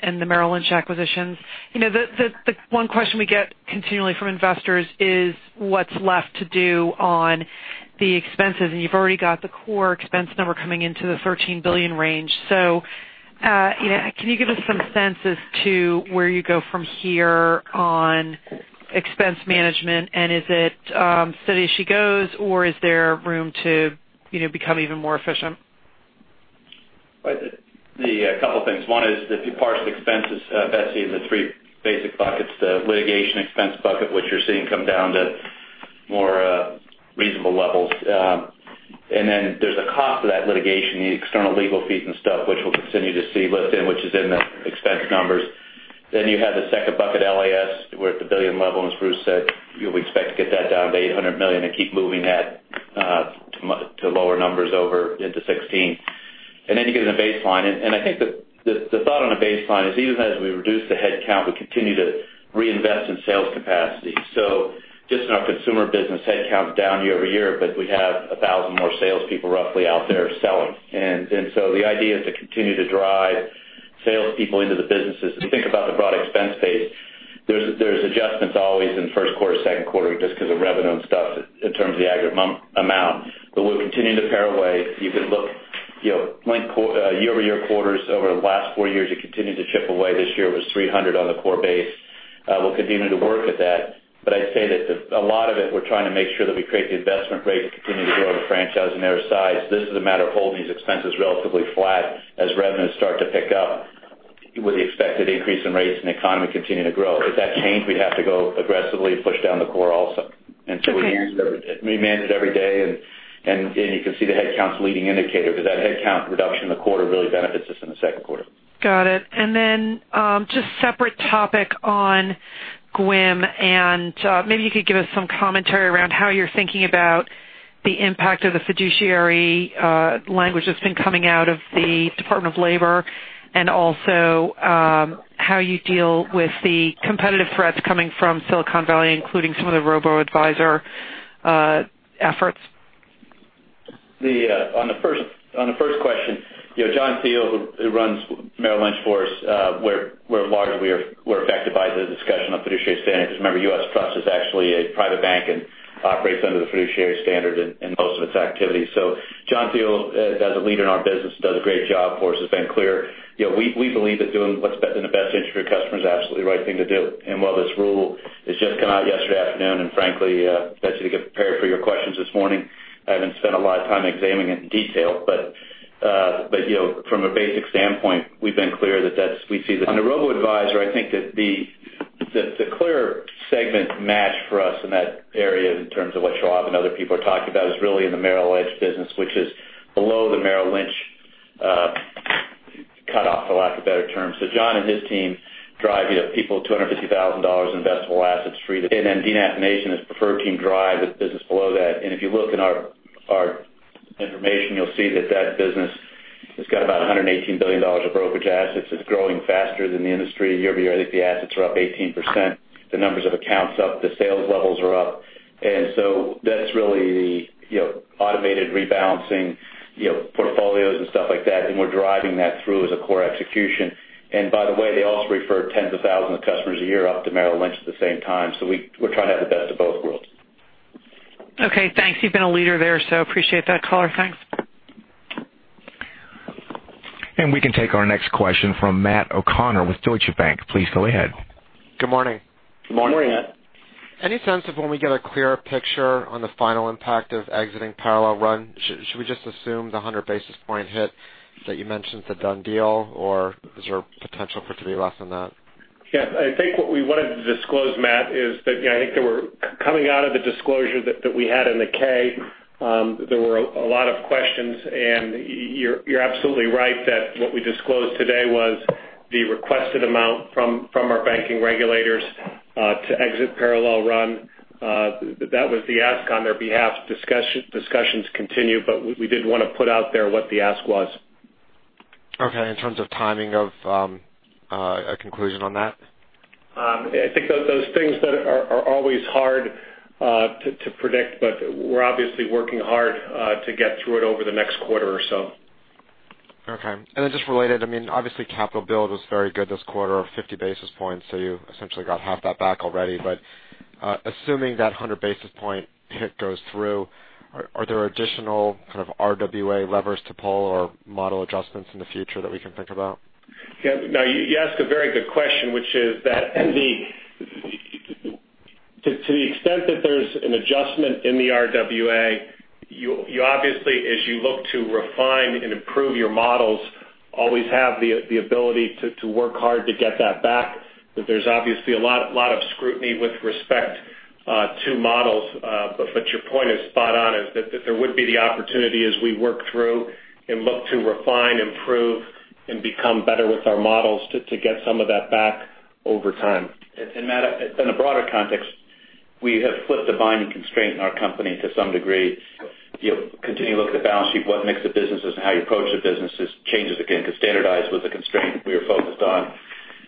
and the Merrill Lynch acquisitions. The one question we get continually from investors is what's left to do on the expenses. You've already got the core expense number coming into the $13 billion range. Can you give us some sense as to where you go from here on expense management? Is it steady as she goes, or is there room to become even more efficient? Right. A couple of things. One is if you parse the expenses, Betsy, in the three basic buckets, the litigation expense bucket, which you're seeing come down to more reasonable levels. There's a cost to that litigation, the external legal fees and stuff, which we'll continue to see listed, which is in the expense numbers. You have the 2nd bucket, LAS, we're at the $1 billion level. As Bruce said, we expect to get that down to $800 million and keep moving that to lower numbers over into 2016. You get in the baseline. I think the thought on the baseline is even as we reduce the headcount, we continue to reinvest in sales capacity. Just in our consumer business, headcount's down year-over-year, but we have 1,000 more salespeople roughly out there selling. The idea is to continue to drive salespeople into the businesses. If you think about the broad expense base, there's adjustments always in the 1st quarter, 2nd quarter, just because of revenue and stuff in terms of the aggregate amount. We'll continue to pare away. You can look year-over-year quarters over the last four years, you continue to chip away. This year was $300 on the core base. We'll continue to work at that. I'd say that a lot of it, we're trying to make sure that we create the investment grade to continue to grow the franchise and their size. This is a matter of holding these expenses relatively flat as revenues start to pick up with the expected increase in rates and the economy continue to grow. If that changed, we'd have to go aggressively push down the core also. Okay. We manage it every day, and you can see the headcount's leading indicator. That headcount reduction in the quarter really benefits us in the second quarter. Got it. Just separate topic on GWIM, and maybe you could give us some commentary around how you're thinking about the impact of the fiduciary language that's been coming out of the Department of Labor, and also how you deal with the competitive threats coming from Silicon Valley, including some of the robo-advisor efforts. On the first question, John Thiel, who runs Merrill Lynch for us, where largely we're affected by the discussion on fiduciary standards because remember, U.S. Trust is actually a private bank and operates under the fiduciary standard in most of its activities. John Thiel, as a leader in our business, does a great job for us, has been clear. We believe that doing what's in the best interest of your customer is absolutely the right thing to do. While this rule has just come out yesterday afternoon, and frankly, Betsy, to get prepared for your questions this morning, I haven't spent a lot of time examining it in detail. From a basic standpoint, we've been clear that we see that. On the robo-advisor, I think that the clearer segment match for us in that area in terms of what Shahab and other people are talking about is really in the Merrill Edge business, which is below the Merrill Lynch cutoff, for lack of a better term. John and his team drive people with $250,000 investable assets for it. Dean Athanasia's preferred team drive is business below that. If you look in our information, you'll see that that business has got about $118 billion of brokerage assets. It's growing faster than the industry year-over-year. I think the assets are up 18%. The numbers of accounts up, the sales levels are up. That's really the automated rebalancing portfolios and stuff like that, and we're driving that through as a core execution. By the way, they also refer tens of thousands of customers a year up to Merrill Lynch at the same time. We're trying to have the best of both worlds. Okay, thanks. You've been a leader there, appreciate that color. Thanks. We can take our next question from Matt O'Connor with Deutsche Bank. Please go ahead. Good morning. Good morning, Matt. Good morning. Any sense of when we get a clearer picture on the final impact of exiting Parallel Run? Should we just assume the 100 basis point hit that you mentioned is a done deal, or is there potential for it to be less than that? Yes. I think what we wanted to disclose, Matt, is that I think coming out of the disclosure that we had in the K, there were a lot of questions, and you're absolutely right that what we disclosed today was the requested amount from our banking regulators to exit Parallel Run. That was the ask on their behalf. Discussions continue, but we did want to put out there what the ask was. Okay. In terms of timing of a conclusion on that? I think those things are always hard to predict, but we're obviously working hard to get through it over the next quarter or so. Okay. Just related, obviously capital build was very good this quarter of 50 basis points, so you essentially got half that back already. Assuming that 100 basis point hit goes through, are there additional kind of RWA levers to pull or model adjustments in the future that we can think about? Yeah. No, you ask a very good question, which is that to the extent that there's an adjustment in the RWA. You obviously, as you look to refine and improve your models, always have the ability to work hard to get that back. There's obviously a lot of scrutiny with respect to models. Your point is spot on, is that there would be the opportunity as we work through and look to refine, improve, and become better with our models to get some of that back over time. Matt, in a broader context, we have flipped the binding constraint in our company to some degree. Continue to look at the balance sheet, what mix of businesses, and how you approach the businesses changes again, because Standardized was a constraint we were focused on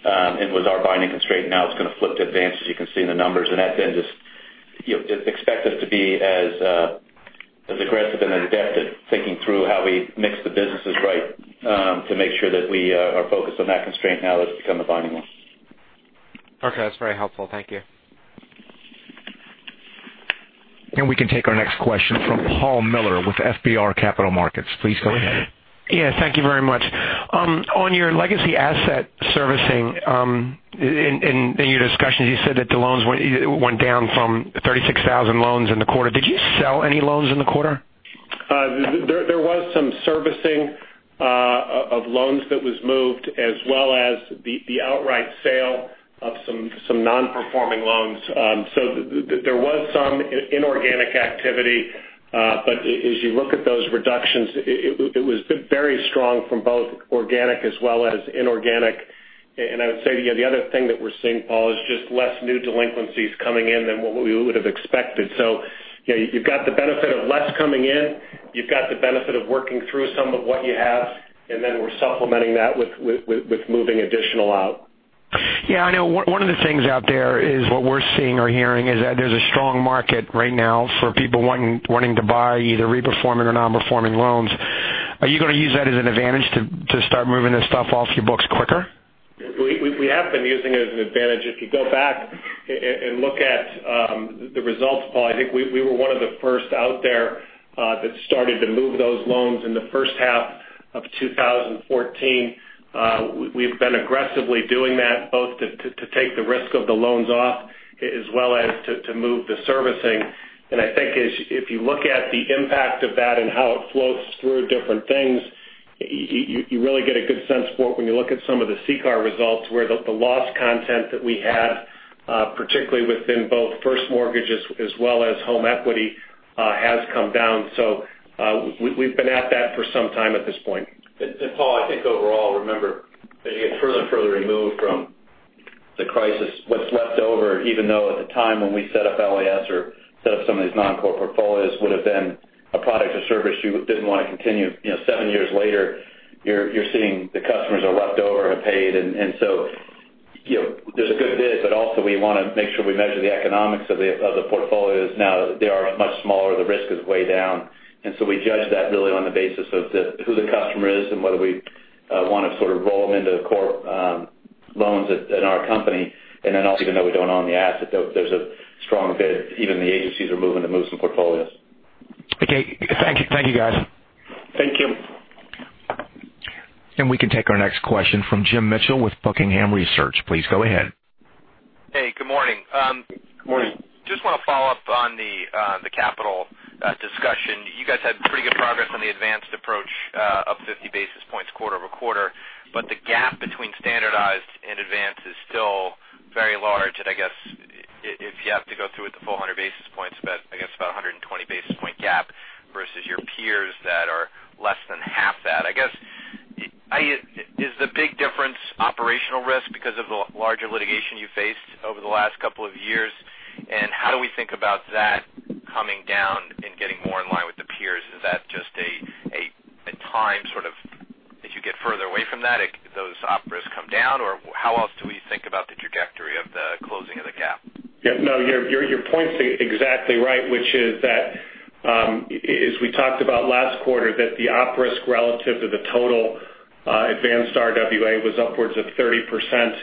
and was our binding constraint. Now it's going to flip to Advanced, as you can see in the numbers. Expect us to be as aggressive and as adept at thinking through how we mix the businesses right, to make sure that we are focused on that constraint now that it's become a binding one. Okay. That's very helpful. Thank you. We can take our next question from Paul Miller with FBR Capital Markets. Please go ahead. Yeah, thank you very much. On your legacy asset servicing, in your discussions, you said that the loans went down from 36,000 loans in the quarter. Did you sell any loans in the quarter? There was some servicing of loans that was moved, as well as the outright sale of some non-performing loans. There was some inorganic activity. As you look at those reductions, it was very strong from both organic as well as inorganic. I would say, the other thing that we're seeing, Paul, is just less new delinquencies coming in than what we would have expected. You've got the benefit of less coming in. You've got the benefit of working through some of what you have, and then we're supplementing that with moving additional out. Yeah, I know one of the things out there is what we're seeing or hearing is that there's a strong market right now for people wanting to buy either reperforming or non-performing loans. Are you going to use that as an advantage to start moving this stuff off your books quicker? We have been using it as an advantage. If you go back and look at the results, Paul, I think we were one of the first out there that started to move those loans in the first half of 2014. We've been aggressively doing that, both to take the risk of the loans off as well as to move the servicing. I think if you look at the impact of that and how it flows through different things, you really get a good sense for it when you look at some of the CCAR results, where the loss content that we had, particularly within both first mortgages as well as home equity, has come down. We've been at that for some time at this point. Paul, I think overall, remember, as you get further and further removed from the crisis, what's left over, even though at the time when we set up LAS or set up some of these non-core portfolios, would have been a product or service you didn't want to continue. Seven years later, you're seeing the customers are left over and have paid. There's a good bid, but also we want to make sure we measure the economics of the portfolios now that they are much smaller, the risk is way down. We judge that really on the basis of who the customer is and whether we want to sort of roll them into core loans at our company. Even though we don't own the asset, there's a strong bid. Even the agencies are moving to move some portfolios. Okay. Thank you, guys. Thank you. We can take our next question from Jim Mitchell with Buckingham Research. Please go ahead. Hey, good morning. Good morning. Just want to follow up on the capital discussion. You guys had pretty good progress on the advanced approach up 50 basis points quarter-over-quarter, but the gap between standardized and advanced is still very large. I guess if you have to go through with the full 100 basis points bet, I guess about 120 basis point gap versus your peers that are less than half that. I guess, is the big difference operational risk because of the larger litigation you faced over the last couple of years? How do we think about that coming down and getting more in line with the peers? Is that just a time sort of as you get further away from that, those op risks come down? Or how else do we think about the trajectory of the closing of the gap? No, your point's exactly right, which is that, as we talked about last quarter, that the op risk relative to the total advanced RWA was upwards of 30%.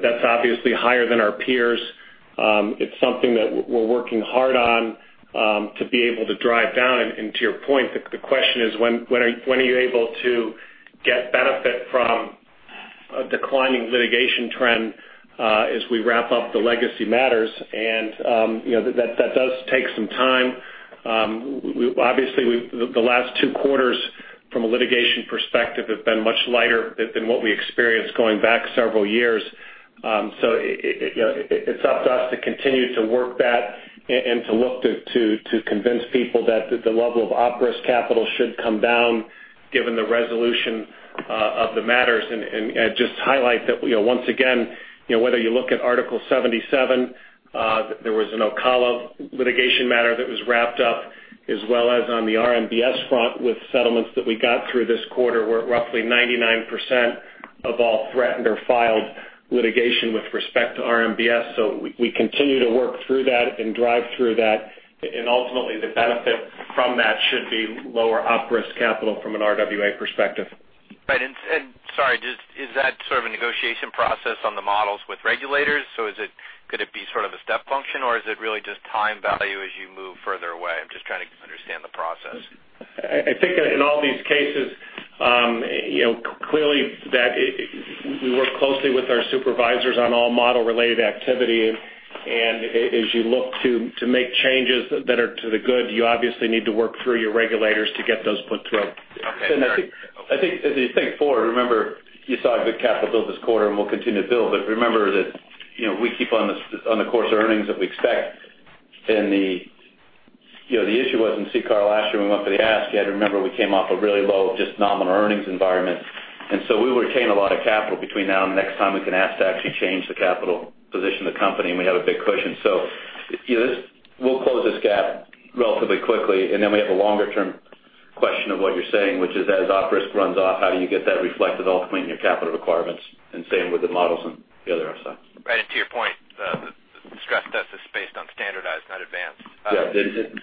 That's obviously higher than our peers. It's something that we're working hard on to be able to drive down. To your point, the question is when are you able to get benefit from a declining litigation trend as we wrap up the legacy matters? That does take some time. Obviously, the last two quarters from a litigation perspective have been much lighter than what we experienced going back several years. It's up to us to continue to work that and to look to convince people that the level of op risk capital should come down given the resolution of the matters. Just to highlight that once again, whether you look at Article 77, there was an Ocala litigation matter that was wrapped up, as well as on the RMBS front with settlements that we got through this quarter were roughly 99% of all threatened or filed litigation with respect to RMBS. We continue to work through that and drive through that, and ultimately the benefit from that should be lower op risk capital from an RWA perspective. Right. Sorry, is that sort of a negotiation process on the models with regulators? Could it be sort of a step function, or is it really just time value as you move further away? I'm just trying to understand the process. Clearly, we work closely with our supervisors on all model-related activity. As you look to make changes that are to the good, you obviously need to work through your regulators to get those put through. Okay. I think as you think forward, remember you saw a good capital build this quarter, and we'll continue to build. Remember that we keep on the course earnings that we expect. The issue was in CCAR last year when we went for the ask, you had to remember we came off a really low just nominal earnings environment. We retain a lot of capital between now and the next time we can ask to actually change the capital position of the company, and we have a big cushion. We'll close this gap relatively quickly. Then we have a longer-term question of what you're saying, which is as OP risk runs off, how do you get that reflected ultimately in your capital requirements? Same with the models on the other sides. Right. To your point, the stress test is based on standardized, not advanced. Yeah.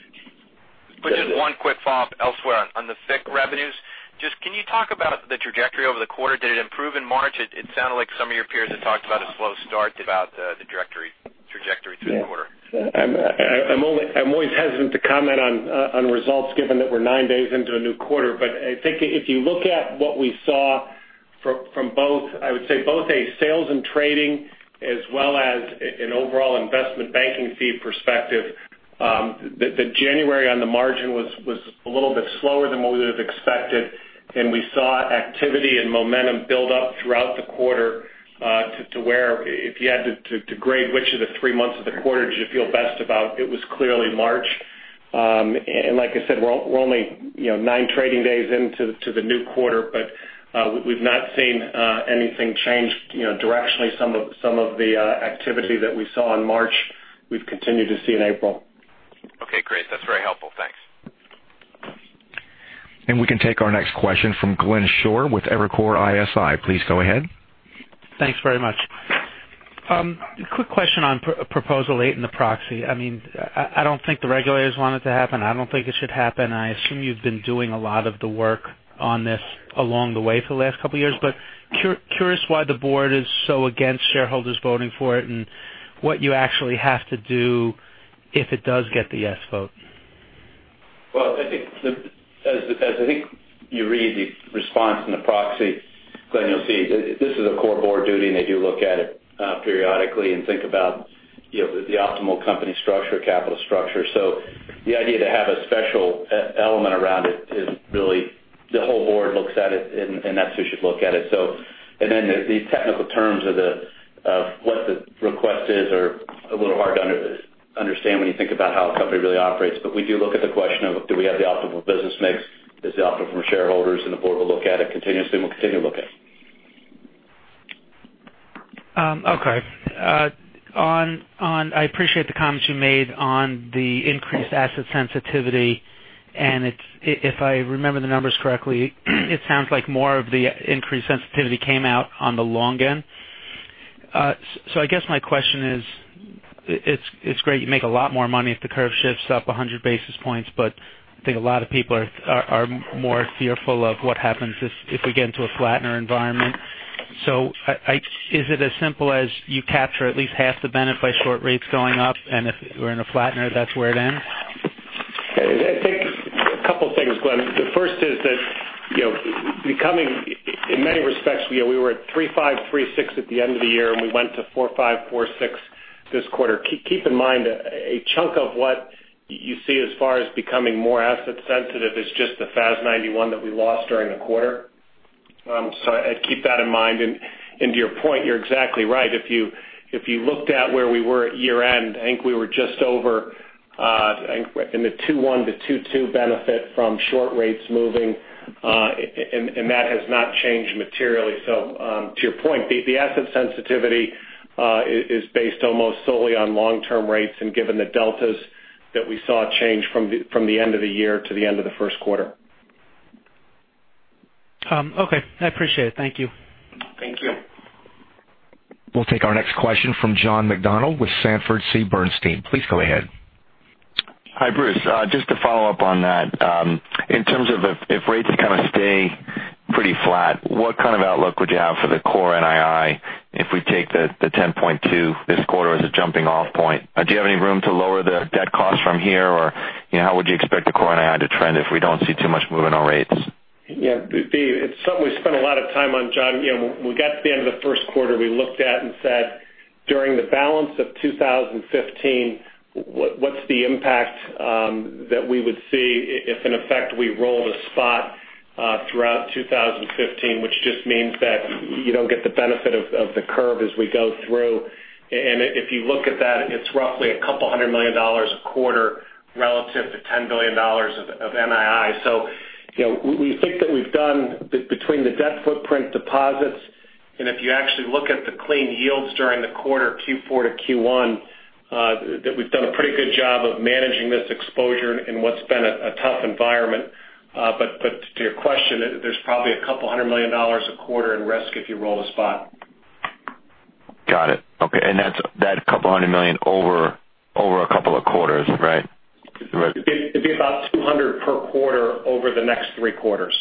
Just one quick follow-up elsewhere on the FICC revenues. Just can you talk about the trajectory over the quarter? Did it improve in March? It sounded like some of your peers had talked about a slow start about the trajectory through the quarter. I'm always hesitant to comment on results given that we're nine days into a new quarter. I think if you look at what we saw from both, I would say both a sales and trading as well as an overall investment banking fee perspective, the January on the margin was a little bit slower than what we would have expected. We saw activity and momentum build up throughout the quarter to where if you had to grade which of the three months of the quarter did you feel best about, it was clearly March. Like I said, we're only nine trading days into the new quarter, but we've not seen anything change directionally. Some of the activity that we saw in March, we've continued to see in April. Okay, great. That's very helpful. Thanks. We can take our next question from Glenn Schorr with Evercore ISI. Please go ahead. Thanks very much. Quick question on Proposal 8 in the proxy. I don't think the regulators want it to happen. I don't think it should happen. I assume you've been doing a lot of the work on this along the way for the last couple of years. Curious why the board is so against shareholders voting for it, and what you actually have to do if it does get the yes vote. Well, as I think you read the response in the proxy, Glenn, you'll see this is a core board duty, they do look at it periodically and think about the optimal company structure, capital structure. The idea to have a special element around it is really the whole board looks at it, and that's how you should look at it. The technical terms of what the request is are a little hard to understand when you think about how a company really operates. We do look at the question of do we have the optimal business mix? Is it optimal for shareholders? The board will look at it continuously, and we'll continue to look at it. Okay. I appreciate the comments you made on the increased asset sensitivity, if I remember the numbers correctly, it sounds like more of the increased sensitivity came out on the long end. I guess my question is, it's great you make a lot more money if the curve shifts up 100 basis points, but I think a lot of people are more fearful of what happens if we get into a flatter environment. Is it as simple as you capture at least half the benefit by short rates going up, and if we're in a flatter, that's where it ends? I think a couple of things, Glenn. The first is that becoming, in many respects, we were at 3,536 at the end of the year, we went to 4,546 this quarter. Keep in mind a chunk of what you see as far as becoming more asset sensitive is just the FAS 91 that we lost during the quarter. I'd keep that in mind. To your point, you're exactly right. If you looked at where we were at year-end, I think we were just over in the 21-22 benefit from short rates moving, that has not changed materially. To your point, the asset sensitivity is based almost solely on long-term rates and given the deltas that we saw change from the end of the year to the end of the first quarter. Okay, I appreciate it. Thank you. Thank you. We'll take our next question from John McDonald with Sanford C. Bernstein. Please go ahead. Hi, Bruce. Just to follow up on that. In terms of if rates kind of stay pretty flat, what kind of outlook would you have for the core NII if we take the $10.2 this quarter as a jumping-off point? Do you have any room to lower the debt cost from here? How would you expect the core NII to trend if we don't see too much movement on rates? It's something we spent a lot of time on, John. We got to the end of the first quarter, we looked at and said, during the balance of 2015, what's the impact that we would see if in effect we rolled a spot throughout 2015, which just means that you don't get the benefit of the curve as we go through. If you look at that, it's roughly $200 million a quarter relative to $10 billion of NII. We think that we've done between the debt footprint deposits, and if you actually look at the clean yields during the quarter Q4 to Q1, that we've done a pretty good job of managing this exposure in what's been a tough environment. To your question, there's probably $200 million a quarter in risk if you roll the spot. Got it. Okay. That's that $200 million over 2 quarters, right? It'd be about $200 per quarter over the next 3 quarters.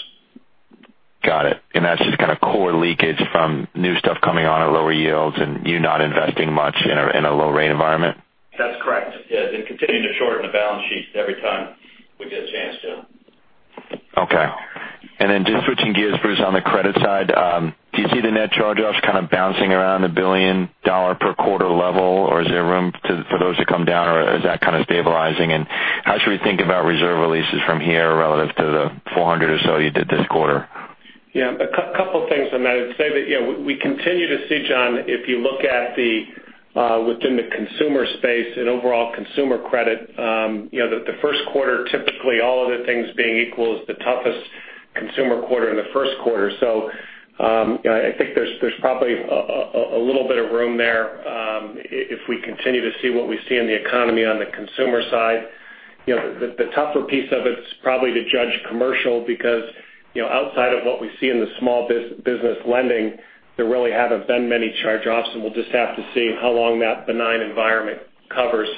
Got it. That's just kind of core leakage from new stuff coming on at lower yields and you not investing much in a low rate environment? That's correct. Yeah. Continuing to shorten the balance sheet every time we get a chance to. Okay. Then just switching gears, Bruce, on the credit side. Do you see the net charge-offs kind of bouncing around the $1 billion per quarter level, or is there room for those to come down, or is that kind of stabilizing? How should we think about reserve releases from here relative to the $400 or so you did this quarter? Yeah. A couple things on that. I'd say that, we continue to see, John, if you look at within the consumer space and overall consumer credit, the first quarter, typically, all other things being equal, is the toughest consumer quarter in the first quarter. I think there's probably a little bit of room there if we continue to see what we see in the economy on the consumer side. The tougher piece of it's probably to judge commercial because, outside of what we see in the small business lending, there really haven't been many charge-offs, we'll just have to see how long that benign environment covers.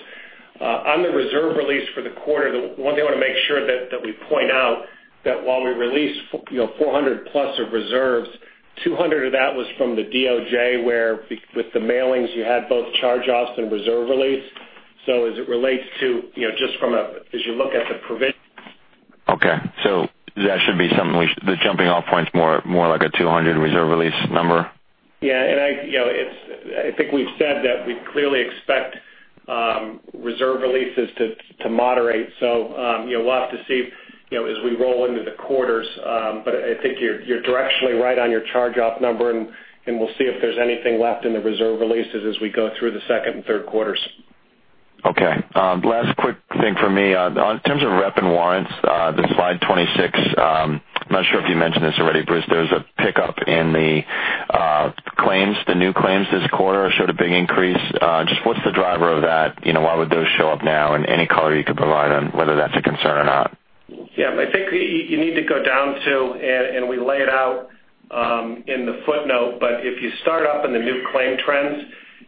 On the reserve release for the quarter, one thing I want to make sure that we point out, that while we released $400+ of reserves, $200 of that was from the DOJ, where with the mailings, you had both charge-offs and reserve release. Okay. That should be something the jumping off point's more like a $200 reserve release number? Yeah. I think we've said that we clearly expect reserve releases to moderate. We'll have to see as we roll into the quarters. I think you're directionally right on your charge off number, and we'll see if there's anything left in the reserve releases as we go through the second and third quarters. Okay. Last quick thing from me. In terms of rep and warrants, the slide 26, I'm not sure if you mentioned this already, Bruce, there's a pickup in the claims. The new claims this quarter showed a big increase. Just what's the driver of that? Why would those show up now, and any color you could provide on whether that's a concern or not? Yeah. I think you need to go down to, we lay it out in the footnote, if you start up in the new claim trends,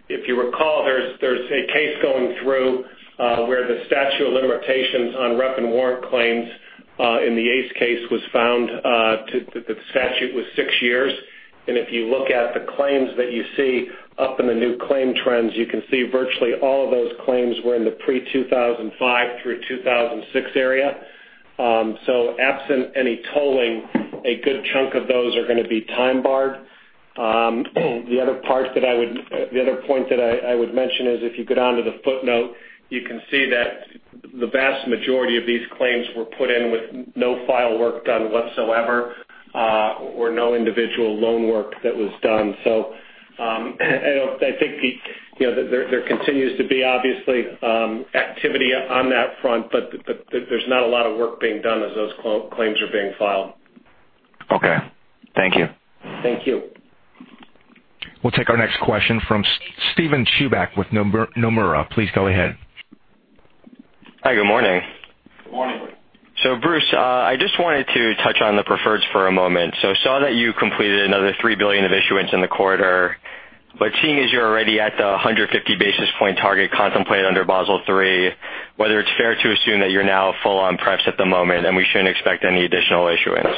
if you recall, there's a case going through where the statute of limitations on rep and warrant claims in the ACE case was found that the statute was six years. If you look at the claims that you see up in the new claim trends, you can see virtually all of those claims were in the pre-2005 through 2006 area. Absent any tolling, a good chunk of those are going to be time-barred. The other point that I would mention is if you go down to the footnote, you can see that the vast majority of these claims were put in with no file work done whatsoever, or no individual loan work that was done. I think there continues to be, obviously, activity on that front, there's not a lot of work being done as those claims are being filed. Okay. Thank you. Thank you. We'll take our next question from Steven Chuback with Nomura. Please go ahead. Hi, good morning. Good morning. Bruce, I just wanted to touch on the preferreds for a moment. Saw that you completed another $3 billion of issuance in the quarter. Seeing as you're already at the 150 basis point target contemplated under Basel III, whether it's fair to assume that you're now full on preps at the moment, and we shouldn't expect any additional issuance?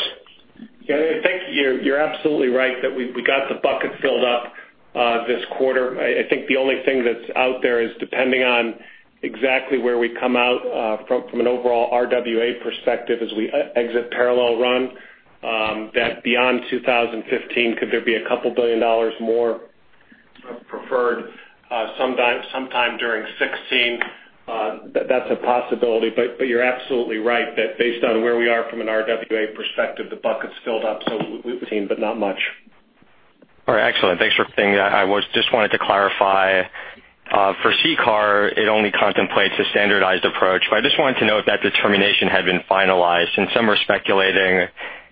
I think you're absolutely right that we got the bucket filled up this quarter. I think the only thing that's out there is depending on exactly where we come out from an overall RWA perspective as we exit parallel run, that beyond 2015, could there be a couple billion dollars more preferred sometime during 2016? That's a possibility, but you're absolutely right that based on where we are from an RWA perspective, the bucket's filled up. We've seen, but not much. All right, excellent. Thanks for saying that. I just wanted to clarify. For CCAR, it only contemplates a standardized approach. I just wanted to know if that determination had been finalized. Some are speculating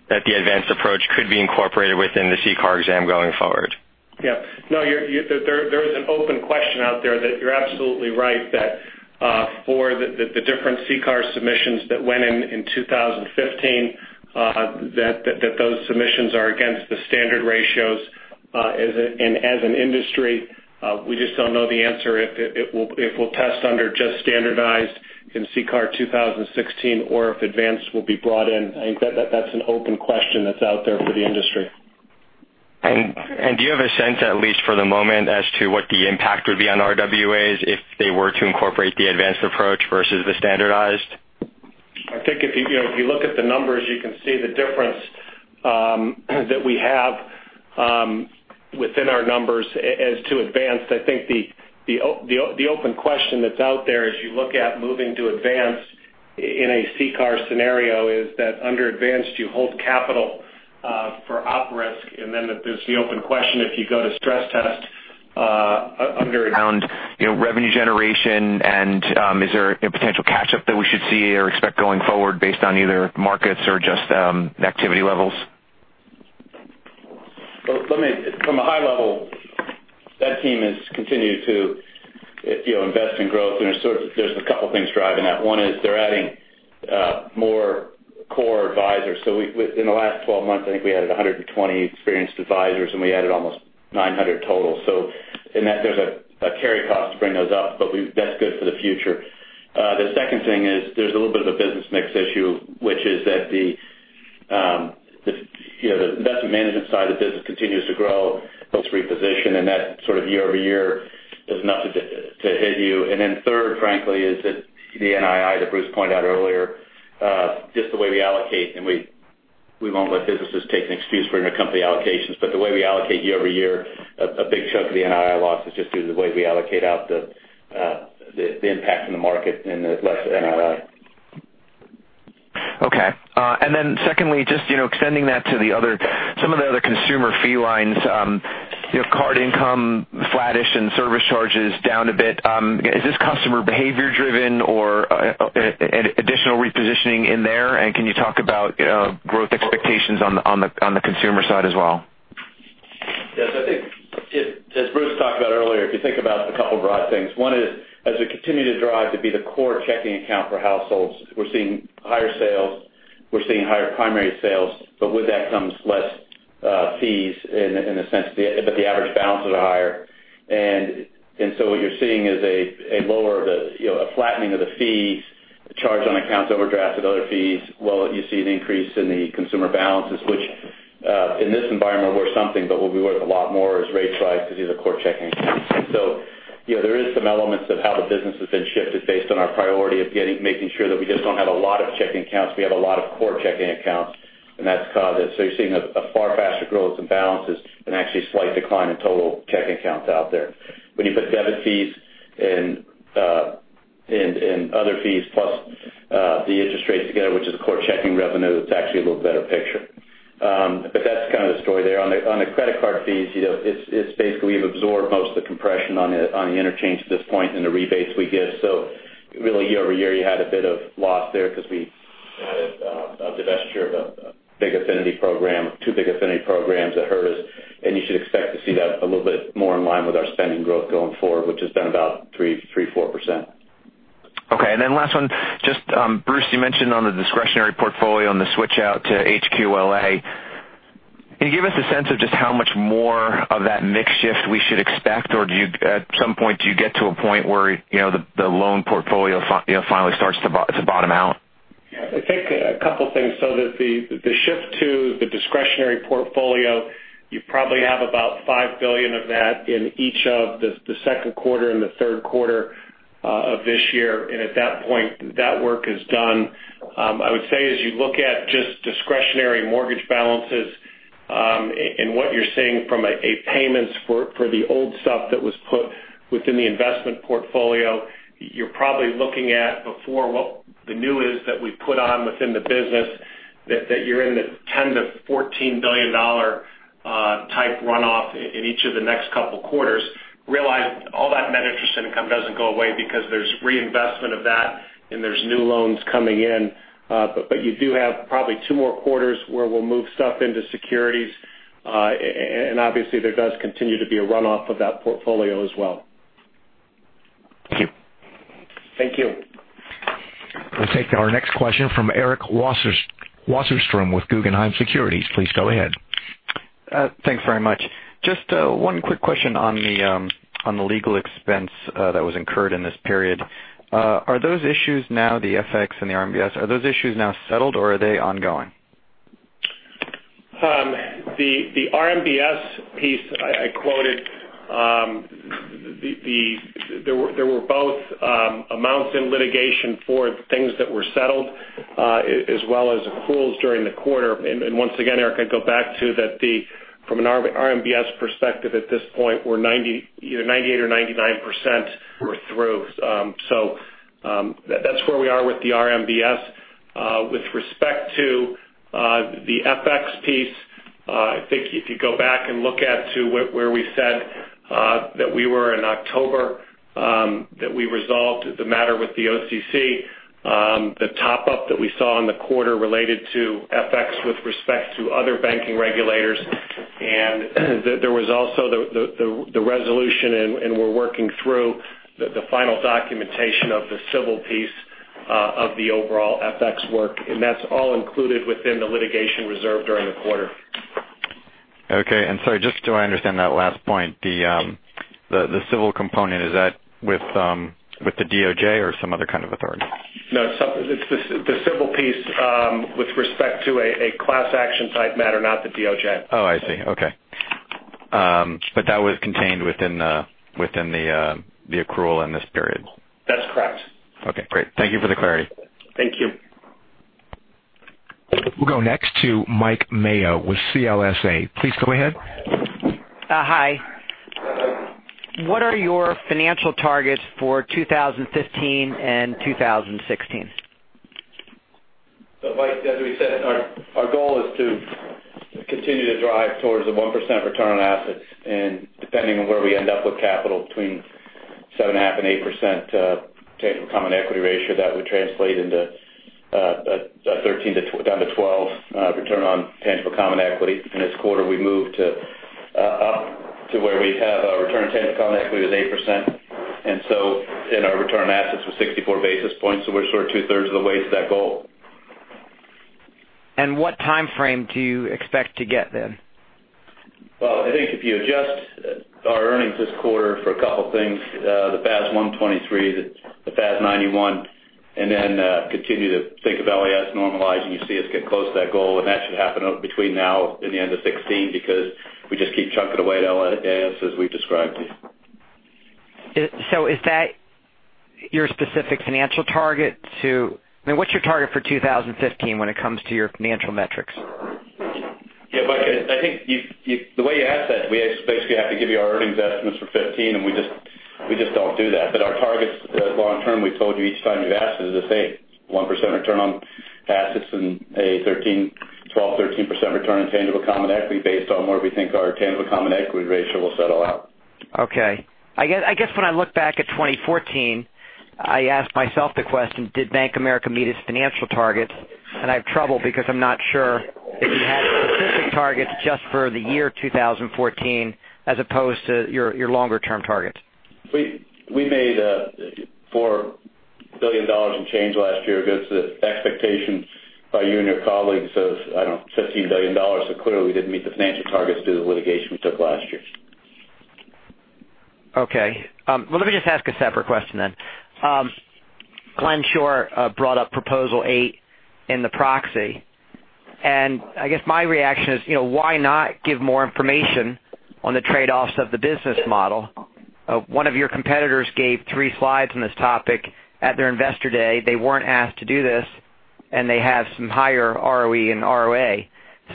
that the advanced approach could be incorporated within the CCAR exam going forward. Yeah. No, there is an open question out there that you're absolutely right that for the different CCAR submissions that went in in 2015, those submissions are against the standard ratios. As an industry, we just don't know the answer, if it will test under just standardized in CCAR 2016 or if advanced will be brought in. I think that's an open question that's out there for the industry. Do you have a sense, at least for the moment, as to what the impact would be on RWAs if they were to incorporate the advanced approach versus the standardized? I think if you look at the numbers, you can see the difference that we have within our numbers as to advanced. I think the open question that's out there as you look at moving to advanced in a CCAR scenario is that under advanced, you hold capital for op risk. Then there's the open question if you go to stress test under- Around revenue generation, is there a potential catch-up that we should see or expect going forward based on either markets or just activity levels? From a high level, that team has continued to invest in growth, there's a couple things driving that. One is they're adding more core advisors. In the last 12 months, I think we added 120 experienced advisors, we added almost 900 total. In that, there's a carry cost to bring those up, but that's good for the future. The second thing is there's a little bit of a business mix issue, which is that the investment management side of the business continues to grow, helps reposition, that sort of year-over-year is nothing to hit you. Then third, frankly, is that the NII that Bruce pointed out earlier, just the way we allocate, we won't let businesses take an excuse for intercompany allocations. The way we allocate year-over-year, a big chunk of the NII loss is just due to the way we allocate out the impact on the market and the less NII. Okay. Then secondly, just extending that to some of the other consumer fee lines. Card income flattish and service charges down a bit. Is this customer behavior driven or additional repositioning in there? Can you talk about growth expectations on the consumer side as well? Yes. I think as Bruce talked about earlier, if you think about a couple broad things. One is, as we continue to drive to be the core checking account for households, we're seeing higher sales, we're seeing higher primary sales, but with that comes less fees in a sense, but the average balances are higher. What you're seeing is a flattening of the fee charged on accounts, overdraft and other fees, while you see an increase in the consumer balances, which, in this environment, worth something but will be worth a lot more as rates rise because of the core checking accounts. There is some elements of how the business has been shifted based on our priority of making sure that we just don't have a lot of checking accounts, we have a lot of core checking accounts, and that's caused it. You're seeing a far faster growth in balances and actually a slight decline in total checking accounts out there. When you put debit fees and other fees, plus the interest rates together, which is core checking revenue, it's actually a little better picture. That's kind of the story there. On the credit card fees, it's basically we've absorbed most of the compression on the interchange at this point in the rebase we give. Really year over year, you had a bit of loss there because we had a divestiture of a big affinity program, two big affinity programs that hurt us. You should expect to see that a little bit more in line with our spending growth going forward, which has been about 3%-4%. Okay. Then last one. Bruce, you mentioned on the discretionary portfolio and the switch out to HQLA. Can you give us a sense of just how much more of that mix shift we should expect? Or at some point, do you get to a point where the loan portfolio finally starts to bottom out? I think a couple of things. The shift to the discretionary portfolio, you probably have about $5 billion of that in each of the second quarter and the third quarter of this year. At that point, that work is done. I would say as you look at just discretionary mortgage balances, and what you're seeing from a payments for the old stuff that was put within the investment portfolio, you're probably looking at before what the new is that we put on within the business, that you're in the $10 billion-$14 billion type runoff in each of the next couple quarters. Realize all that net interest income doesn't go away because there's reinvestment of that and there's new loans coming in. You do have probably two more quarters where we'll move stuff into securities. Obviously there does continue to be a runoff of that portfolio as well. Thank you. Thank you. We'll take our next question from Eric Wasserstrom with Guggenheim Securities. Please go ahead. Thanks very much. Just one quick question on the legal expense that was incurred in this period. Are those issues now the FX and the RMBS, are those issues now settled or are they ongoing? The RMBS piece I quoted, there were both amounts in litigation for things that were settled, as well as accruals during the quarter. Once again, Eric, I'd go back to that from an RMBS perspective at this point, we're 98% or 99% we're through. That's where we are with the RMBS. With respect to the FX piece, I think if you go back and look at to where we said that we were in October, that we resolved the matter with the OCC. The top-up that we saw in the quarter related to FX with respect to other banking regulators. There was also the resolution, and we're working through the final documentation of the civil piece of the overall FX work. That's all included within the litigation reserve during the quarter. Okay. Sorry, just so I understand that last point. The civil component, is that with the DOJ or some other kind of authority? No. The civil piece with respect to a class action type matter, not the DOJ. Oh, I see. Okay. That was contained within the accrual in this period. That's correct. Okay, great. Thank you for the clarity. Thank you. We'll go next to Mike Mayo with CLSA. Please go ahead. Hi. What are your financial targets for 2015 and 2016? Mike, as we said, our goal is to continue to drive towards the 1% return on assets. Depending on where we end up with capital between 7.5% and 8% tangible common equity ratio, that would translate into a 13% down to 12% return on tangible common equity. In this quarter, we moved up to where we have our return tangible common equity was 8%. Our return on assets was 64 basis points, so we're sort of two-thirds of the way to that goal. what time frame do you expect to get then? I think if you adjust our earnings this quarter for a couple of things, the FAS 123, the FAS 91, then continue to think of LAS normalizing, you see us get close to that goal, and that should happen between now and the end of 2016 because we just keep chunking away at LAS as we've described to you. Is that your specific financial target? What's your target for 2015 when it comes to your financial metrics? Mike, I think the way you asked that, we basically have to give you our earnings estimates for 2015, and we just don't do that. Our targets long term, we've told you each time you've asked is the same, 1% return on assets and a 12%-13% return on tangible common equity based on where we think our tangible common equity ratio will settle out. Okay. I guess when I look back at 2014, I ask myself the question, did Bank of America meet its financial targets? I have trouble because I'm not sure if you had specific targets just for the year 2014 as opposed to your longer-term targets. We made $4 billion in change last year against the expectations by you and your colleagues of, I don't know, $16 billion. Clearly, we didn't meet the financial targets due to the litigation we took last year. Okay. Well, let me just ask a separate question. Glenn Schorr brought up Proposal 8 in the proxy. I guess my reaction is, why not give more information on the trade-offs of the business model? One of your competitors gave three slides on this topic at their Investor Day. They weren't asked to do this, they have some higher ROE and ROA.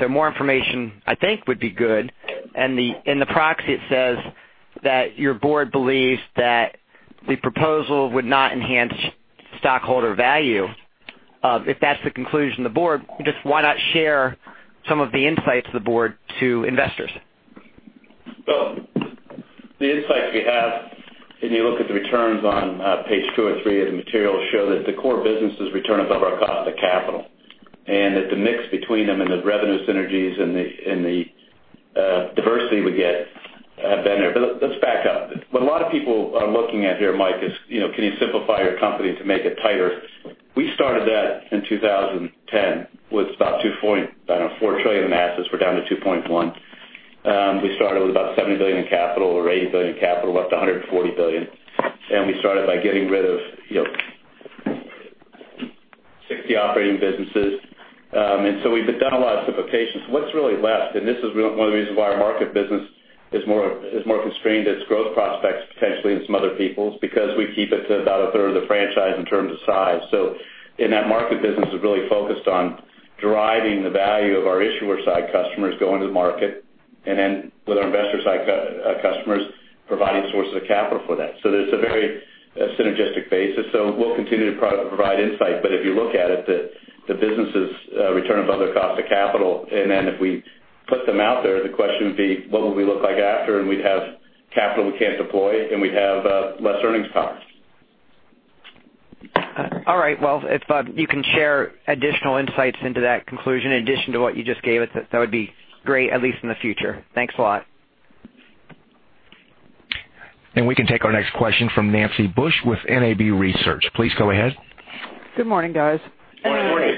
More information, I think, would be good. In the proxy, it says that your board believes that the proposal would not enhance stockholder value. If that's the conclusion of the board, just why not share some of the insights of the board to investors? Well, the insights we have, if you look at the returns on page two or three of the materials, show that the core business' return is above our cost of capital, that the mix between them and the revenue synergies and the diversity we get have been there. Let's back up. What a lot of people are looking at here, Mike, is can you simplify your company to make it tighter? We started that in 2010 with about $2.4 trillion in assets. We're down to $2.1 trillion. We started with about $70 billion in capital or $80 billion in capital, up to $140 billion. We started by getting rid of 60 operating businesses. We've done a lot of simplifications. What's really left, this is one of the reasons why our market business is more constrained, its growth prospects, potentially in some other people's because we keep it to about a third of the franchise in terms of size. That market business is really focused on deriving the value of our issuer side customers going to the market, then with our investor side customers providing sources of capital for that. There's a very synergistic basis. We'll continue to provide insight, but if you look at it, the businesses return above their cost of capital. Then if we put them out there, the question would be, what would we look like after? We'd have capital we can't deploy, and we'd have less earnings power. All right. Well, if you can share additional insights into that conclusion in addition to what you just gave us, that would be great, at least in the future. Thanks a lot. We can take our next question from Nancy Bush with NAB Research. Please go ahead. Good morning, guys. Good morning.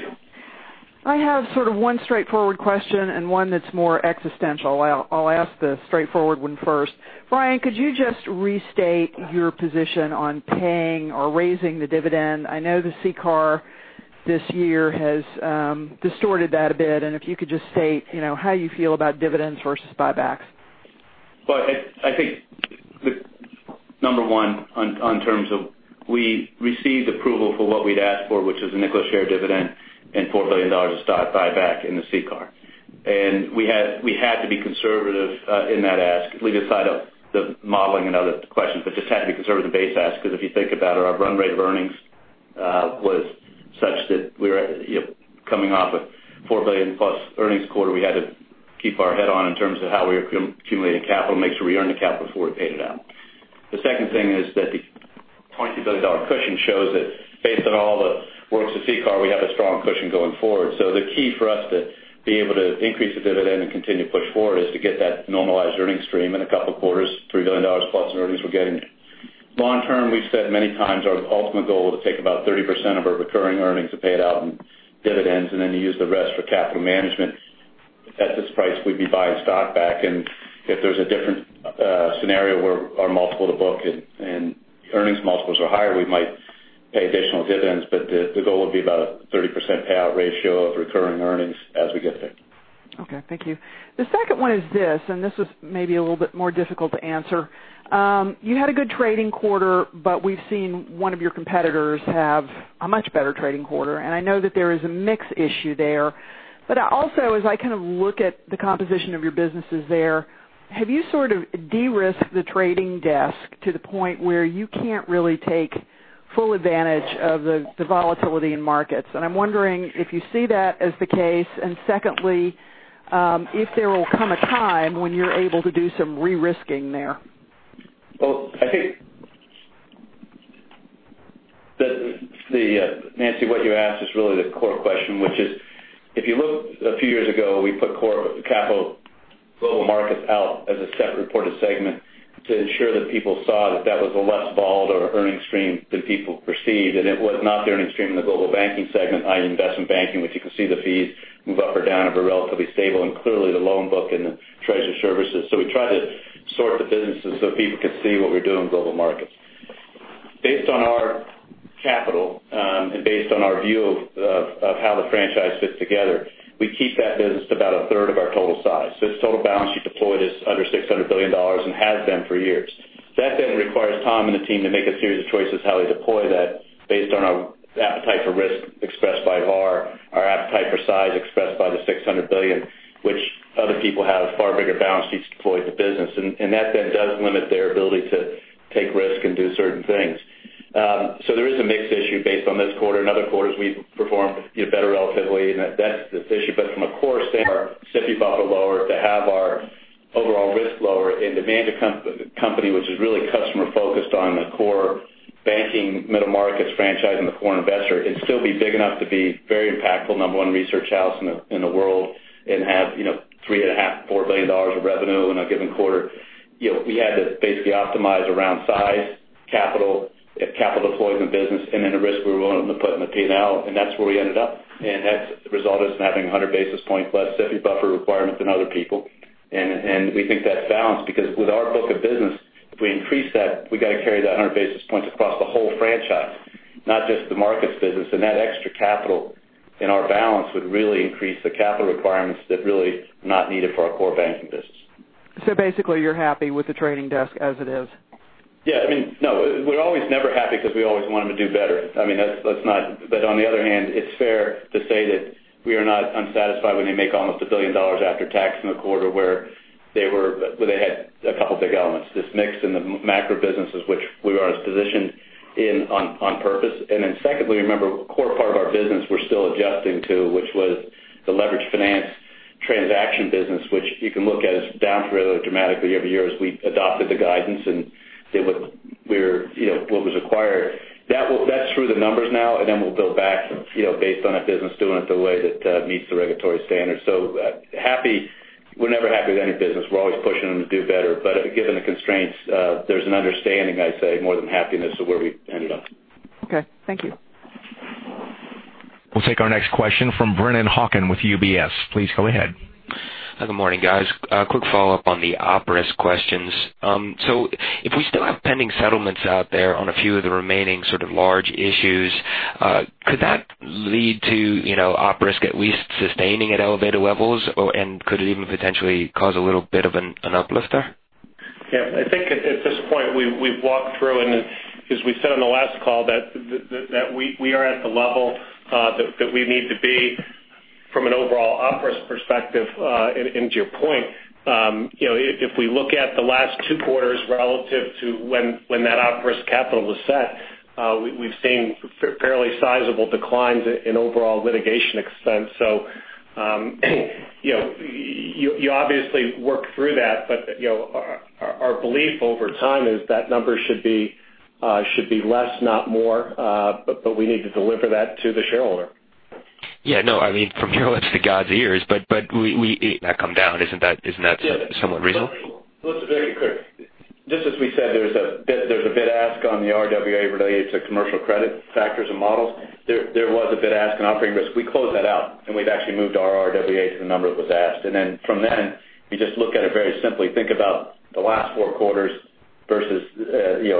I have sort of one straightforward question and one that's more existential. I'll ask the straightforward one first. Brian, could you just restate your position on paying or raising the dividend? I know the CCAR this year has distorted that a bit, and if you could just state how you feel about dividends versus buybacks. Well, I think, number one, on terms of we received approval for what we'd asked for, which is a $0.05 a share dividend and $4 billion of stock buyback in the CCAR. We had to be conservative in that ask. We just tied up the modeling and other questions, but just had to be conservative in the base ask because if you think about our run rate of earnings was such that we were coming off a $4 billion-plus earnings quarter. We had to keep our head on in terms of how we accumulated capital, make sure we earned the capital before we paid it out. The second thing is that the $22 billion cushion shows that based on all the works of CCAR, we have a strong cushion going forward. The key for us to be able to increase the dividend and continue to push forward is to get that normalized earnings stream in a couple of quarters, $3 billion-plus in earnings we're getting. Long term, we've said many times our ultimate goal is to take about 30% of our recurring earnings to pay it out in dividends, and then you use the rest for capital management. At this price, we'd be buying stock back, and if there's a different scenario where our multiple to book and earnings multiples are higher, we might pay additional dividends, but the goal would be about a 30% payout ratio of recurring earnings as we get there. Thank you. The second one is this. This is maybe a little bit more difficult to answer. You had a good trading quarter. We've seen one of your competitors have a much better trading quarter. I know that there is a mix issue there. Also, as I kind of look at the composition of your businesses there, have you sort of de-risked the trading desk to the point where you can't really take full advantage of the volatility in markets? I'm wondering if you see that as the case, and secondly, if there will come a time when you're able to do some re-risking there. I think, Nancy, what you asked is really the core question, which is if you look a few years ago, we put Global Markets out as a separate reported segment to ensure that people saw that that was a less volatile earnings stream than people perceived. It was not the earnings stream in the Global Banking segment, i.e., investment banking, which you can see the fees move up or down but were relatively stable and clearly the loan book and the treasury services. We try to sort the businesses so people can see what we do in Global Markets. Based on our capital, and based on our view of how the franchise fits together, we keep that business to about a third of our total size. Its total balance sheet deployed is under $600 billion and has been for years. That requires Tom and the team to make a series of choices how we deploy that based on our appetite for risk expressed by VaR, our appetite for size expressed by the $600 billion, which other people have far bigger balance sheets deployed to business. That does limit their ability to take risk and do certain things. There is a mix issue based on this quarter. In other quarters, we've performed better relatively. That's this issue. From a core standpoint, our CECL buffer lower to have our overall risk lower and to manage a company which is really customer-focused on the core banking Middle Markets franchise and the foreign investor, and still be big enough to be very impactful, number 1 research house in the world and have $3.5 billion, $4 billion of revenue in a given quarter. We had to basically optimize around size, capital deployment business, and then the risk we were willing to put in the P&L. That's where we ended up. That's resulted in us having 100 basis points less CECL buffer requirement than other people. We think that's balanced because with our book of business, if we increase that, we've got to carry that 100 basis points across the whole franchise, not just the markets business. That extra capital in our balance would really increase the capital requirements that really are not needed for our core banking business. basically you're happy with the trading desk as it is. Yeah. No, we're always never happy because we always want them to do better. On the other hand, it's fair to say that we are not unsatisfied when they make almost $1 billion after tax in a quarter where they had a couple of big elements. This mix in the macro businesses, which we are as positioned in on purpose. Secondly, remember, a core part of our business we're still adjusting to, which was the leveraged finance transaction business, which you can look at has down fairly dramatically year-over-year as we adopted the guidance and what was acquired. That's through the numbers now, and then we'll build back based on that business doing it the way that meets the regulatory standards. Happy, we're never happy with any business. We're always pushing them to do better. Given the constraints, there's an understanding, I'd say, more than happiness of where we've ended up. Okay. Thank you. We'll take our next question from Brennan Hawken with UBS. Please go ahead. Good morning, guys. A quick follow-up on the op risk questions. If we still have pending settlements out there on a few of the remaining sort of large issues, could that lead to op risk at least sustaining at elevated levels? Could it even potentially cause a little bit of an uplifter? Yeah. I think at this point we've walked through, as we said on the last call, that we are at the level that we need to be from an overall op risk perspective. To your point, if we look at the last two quarters relative to when that op risk capital was set, we've seen fairly sizable declines in overall litigation expense. You obviously work through that, but our belief over time is that number should be less, not more. We need to deliver that to the shareholder. Yeah. No, from your lips to God's ears. That come down. Isn't that somewhat reasonable? Let's break it quick. Just as we said, there's a bid-ask on the RWA related to commercial credit factors and models. There was a bid-ask on operating risk. We closed that out, and we've actually moved our RWA to the number that was asked. From then, you just look at it very simply. Think about the last four quarters versus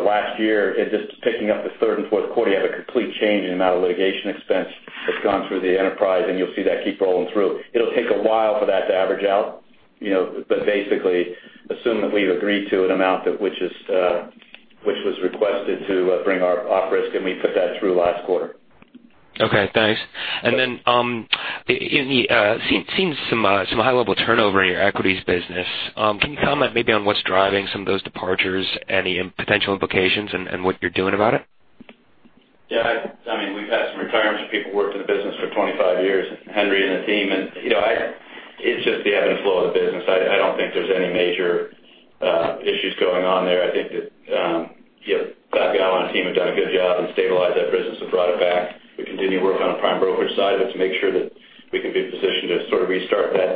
last year. Just picking up the third and fourth quarter, you have a complete change in the amount of litigation expense that's gone through the enterprise, and you'll see that keep rolling through. It'll take a while for that to average out. Basically, assume that we've agreed to an amount which was requested to bring our op risk, and we put that through last quarter. Okay, thanks. Seeing some high-level turnover in your equities business. Can you comment maybe on what's driving some of those departures, any potential implications, and what you're doing about it? Yeah. We've had some retirements from people who worked in the business for 25 years, Henry and the team. It's just the ebb and flow of the business. I don't think there's any major issues going on there. I think that Klakow and team have done a good job in stabilizing that business and brought it back. We continue to work on the prime brokerage side of it to make sure that we can be positioned to sort of restart that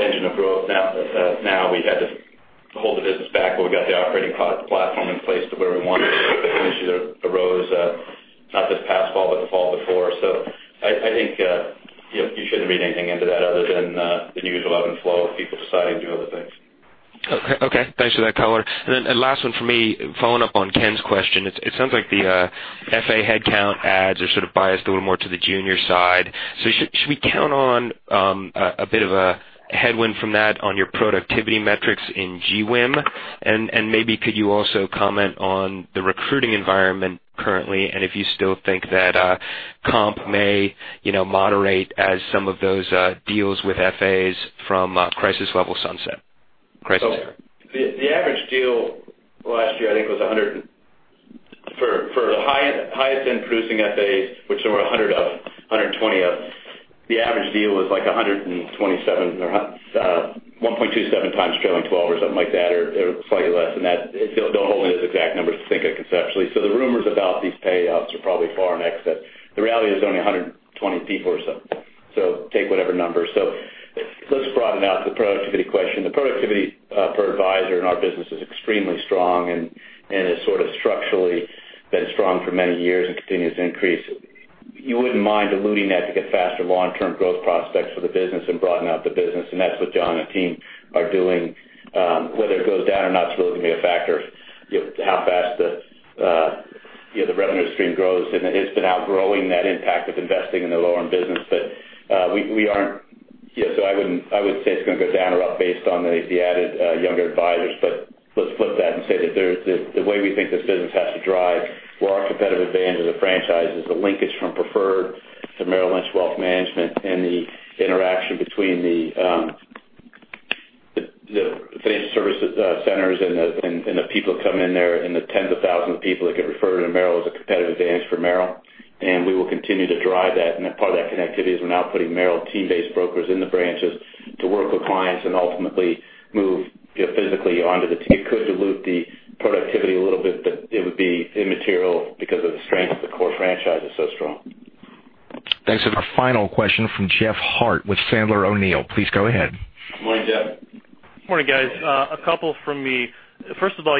engine of growth now. Now we've had to hold the business back, but we've got the operating product platform in place to where we want it. The issue that arose, not this past fall, but the fall before. I think you shouldn't read anything into that other than the usual ebb and flow of people deciding to do other things. Okay. Thanks for that color. Last one from me, following up on Ken's question. It sounds like the FA headcount adds are sort of biased a little more to the junior side. Should we count on a bit of a headwind from that on your productivity metrics in GWIM? Maybe could you also comment on the recruiting environment currently, and if you still think that comp may moderate as some of those deals with FAs from crisis level sunset? The average deal last year, I think was, for the highest-end producing FAs, which there were 100 of, 120 of, the average deal was like 127 or 1.27 times trailing 12 or something like that, or slightly less than that. Don't hold me to those exact numbers. Think of it conceptually. The rumors about these payouts are probably far in excess. The reality is there's only 120 people or so. Take whatever number. Let's broaden out the productivity question. The productivity per advisor in our business is extremely strong, and has sort of structurally been strong for many years and continues to increase. You wouldn't mind diluting that to get faster long-term growth prospects for the business and broaden out the business, that's what John and team are doing. Whether it goes down or not is really going to be a factor how fast the revenue stream grows. It's been outgrowing that impact of investing in the loan business. I wouldn't say it's going to go down or up based on the added younger advisors. Let's flip that and say that the way we think this business has to drive where our competitive advantage as a franchise is the linkage from preferred to Merrill Lynch Wealth Management and the interaction between the financial service centers and the people that come in there, and the tens of thousands of people that get referred to Merrill is a competitive advantage for Merrill. We will continue to drive that. Part of that connectivity is we're now putting Merrill team-based brokers in the branches to work with clients and ultimately move physically onto the team. It could dilute the productivity a little bit, but it would be immaterial because of the strength of the core franchise is so strong. Thanks. Our final question from Jeff Harte with Sandler O'Neill + Partners. Please go ahead. Good morning, Jeff. Morning, guys. A couple from me.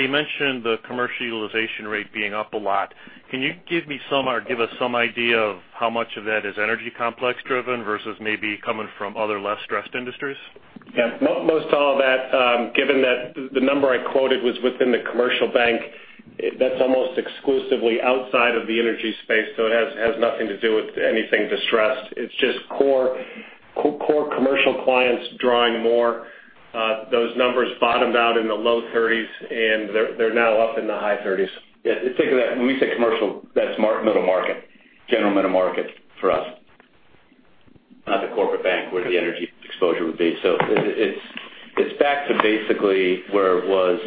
You mentioned the commercial utilization rate being up a lot. Can you give me some or give us some idea of how much of that is energy complex driven versus maybe coming from other less stressed industries? Yeah. Most all that, given that the number I quoted was within the commercial bank, that's almost exclusively outside of the energy space. It has nothing to do with anything distressed. It's just core commercial clients drawing more. Those numbers bottomed out in the low thirties, and they're now up in the high thirties. Yeah. Think of that when we say commercial, that's general middle market for us, not the corporate bank where the energy exposure would be. It's back to basically where it was.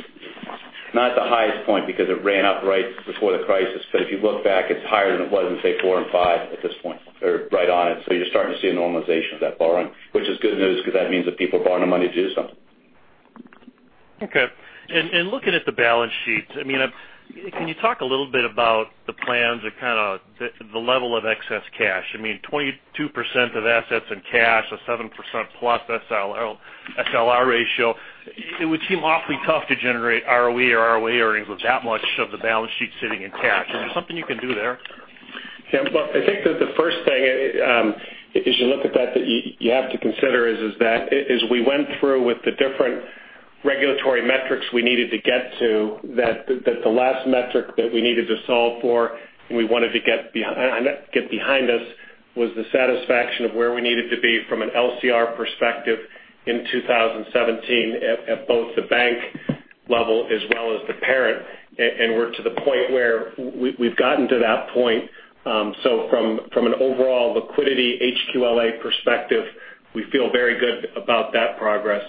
Not at the highest point because it ran up right before the crisis, but if you look back, it's higher than it was in, say, 2004 and 2005 at this point, or right on it. You're starting to see a normalization of that borrowing, which is good news because that means that people are borrowing the money to do something. Okay. Looking at the balance sheet, can you talk a little bit about the plans or kind of the level of excess cash? I mean, 22% of assets in cash, a 7% plus SLR ratio. It would seem awfully tough to generate ROE or ROA earnings with that much of the balance sheet sitting in cash. Is there something you can do there? Yeah. Look, I think that the first thing as you look at that you have to consider is that as we went through with the different regulatory metrics we needed to get to, that the last metric that we needed to solve for and we wanted to get behind us was the satisfaction of where we needed to be from an LCR perspective in 2017 at both the bank level as well as the parent. We're to the point where we've gotten to that point. From an overall liquidity HQLA perspective, we feel very good about that progress.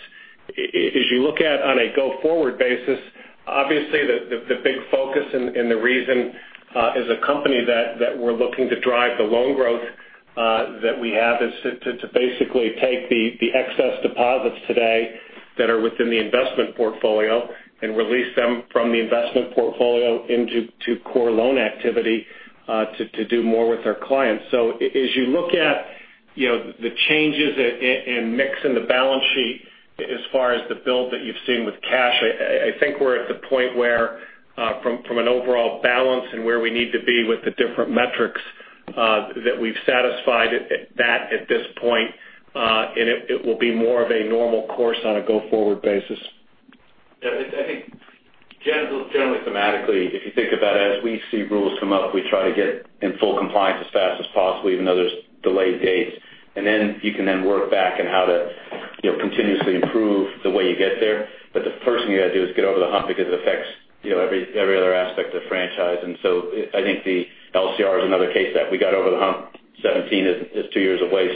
As you look at on a go-forward basis, obviously the big focus and the reason as a company that we're looking to drive the loan growth that we have is to basically take the excess deposits today that are within the investment portfolio and release them from the investment portfolio into core loan activity, to do more with our clients. As you look at the changes in mix in the balance sheet as far as the build that you've seen with cash, I think we're at the point where, from an overall balance and where we need to be with the different metrics, that we've satisfied that at this point. It will be more of a normal course on a go-forward basis. Yeah. I think generally thematically, if you think about it, as we see rules come up, we try to get in full compliance as fast as possible, even though there's delayed dates. You can then work back on how to continuously improve the way you get there. The first thing you got to do is get over the hump because it affects every other aspect of the franchise. I think the LCR is another case that we got over the hump. Seventeen is two years away,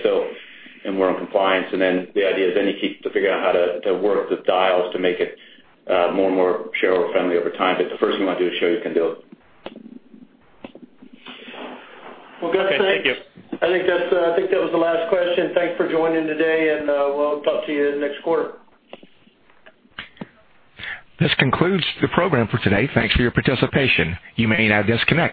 and we're in compliance. The idea is then you keep to figure out how to work the dials to make it more and more shareholder-friendly over time. The first thing you want to do is show you can do it. Okay. Thank you. I think that was the last question. Thanks for joining today, and we'll talk to you next quarter. This concludes the program for today. Thanks for your participation. You may now disconnect.